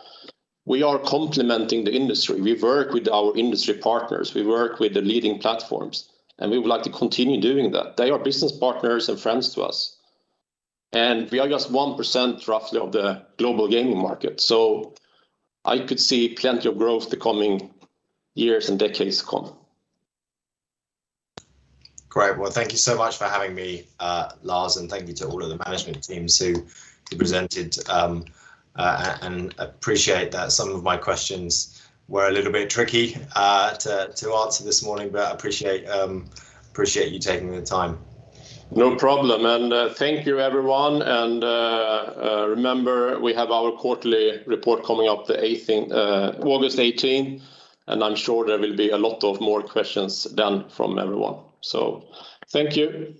We are complementing the industry. We work with our industry partners. We work with the leading platforms, and we would like to continue doing that. They are business partners and friends to us. We are just 1%, roughly, of the global gaming market. I could see plenty of growth the coming years and decades come. Great. Well, thank you so much for having me, Lars. Thank you to all of the management team who presented and appreciate that some of my questions were a little bit tricky to answer this morning. I appreciate you taking the time. No problem. Thank you, everyone, and remember, we have our quarterly report coming up August 18, and I'm sure there will be a lot of more questions then from everyone. Thank you.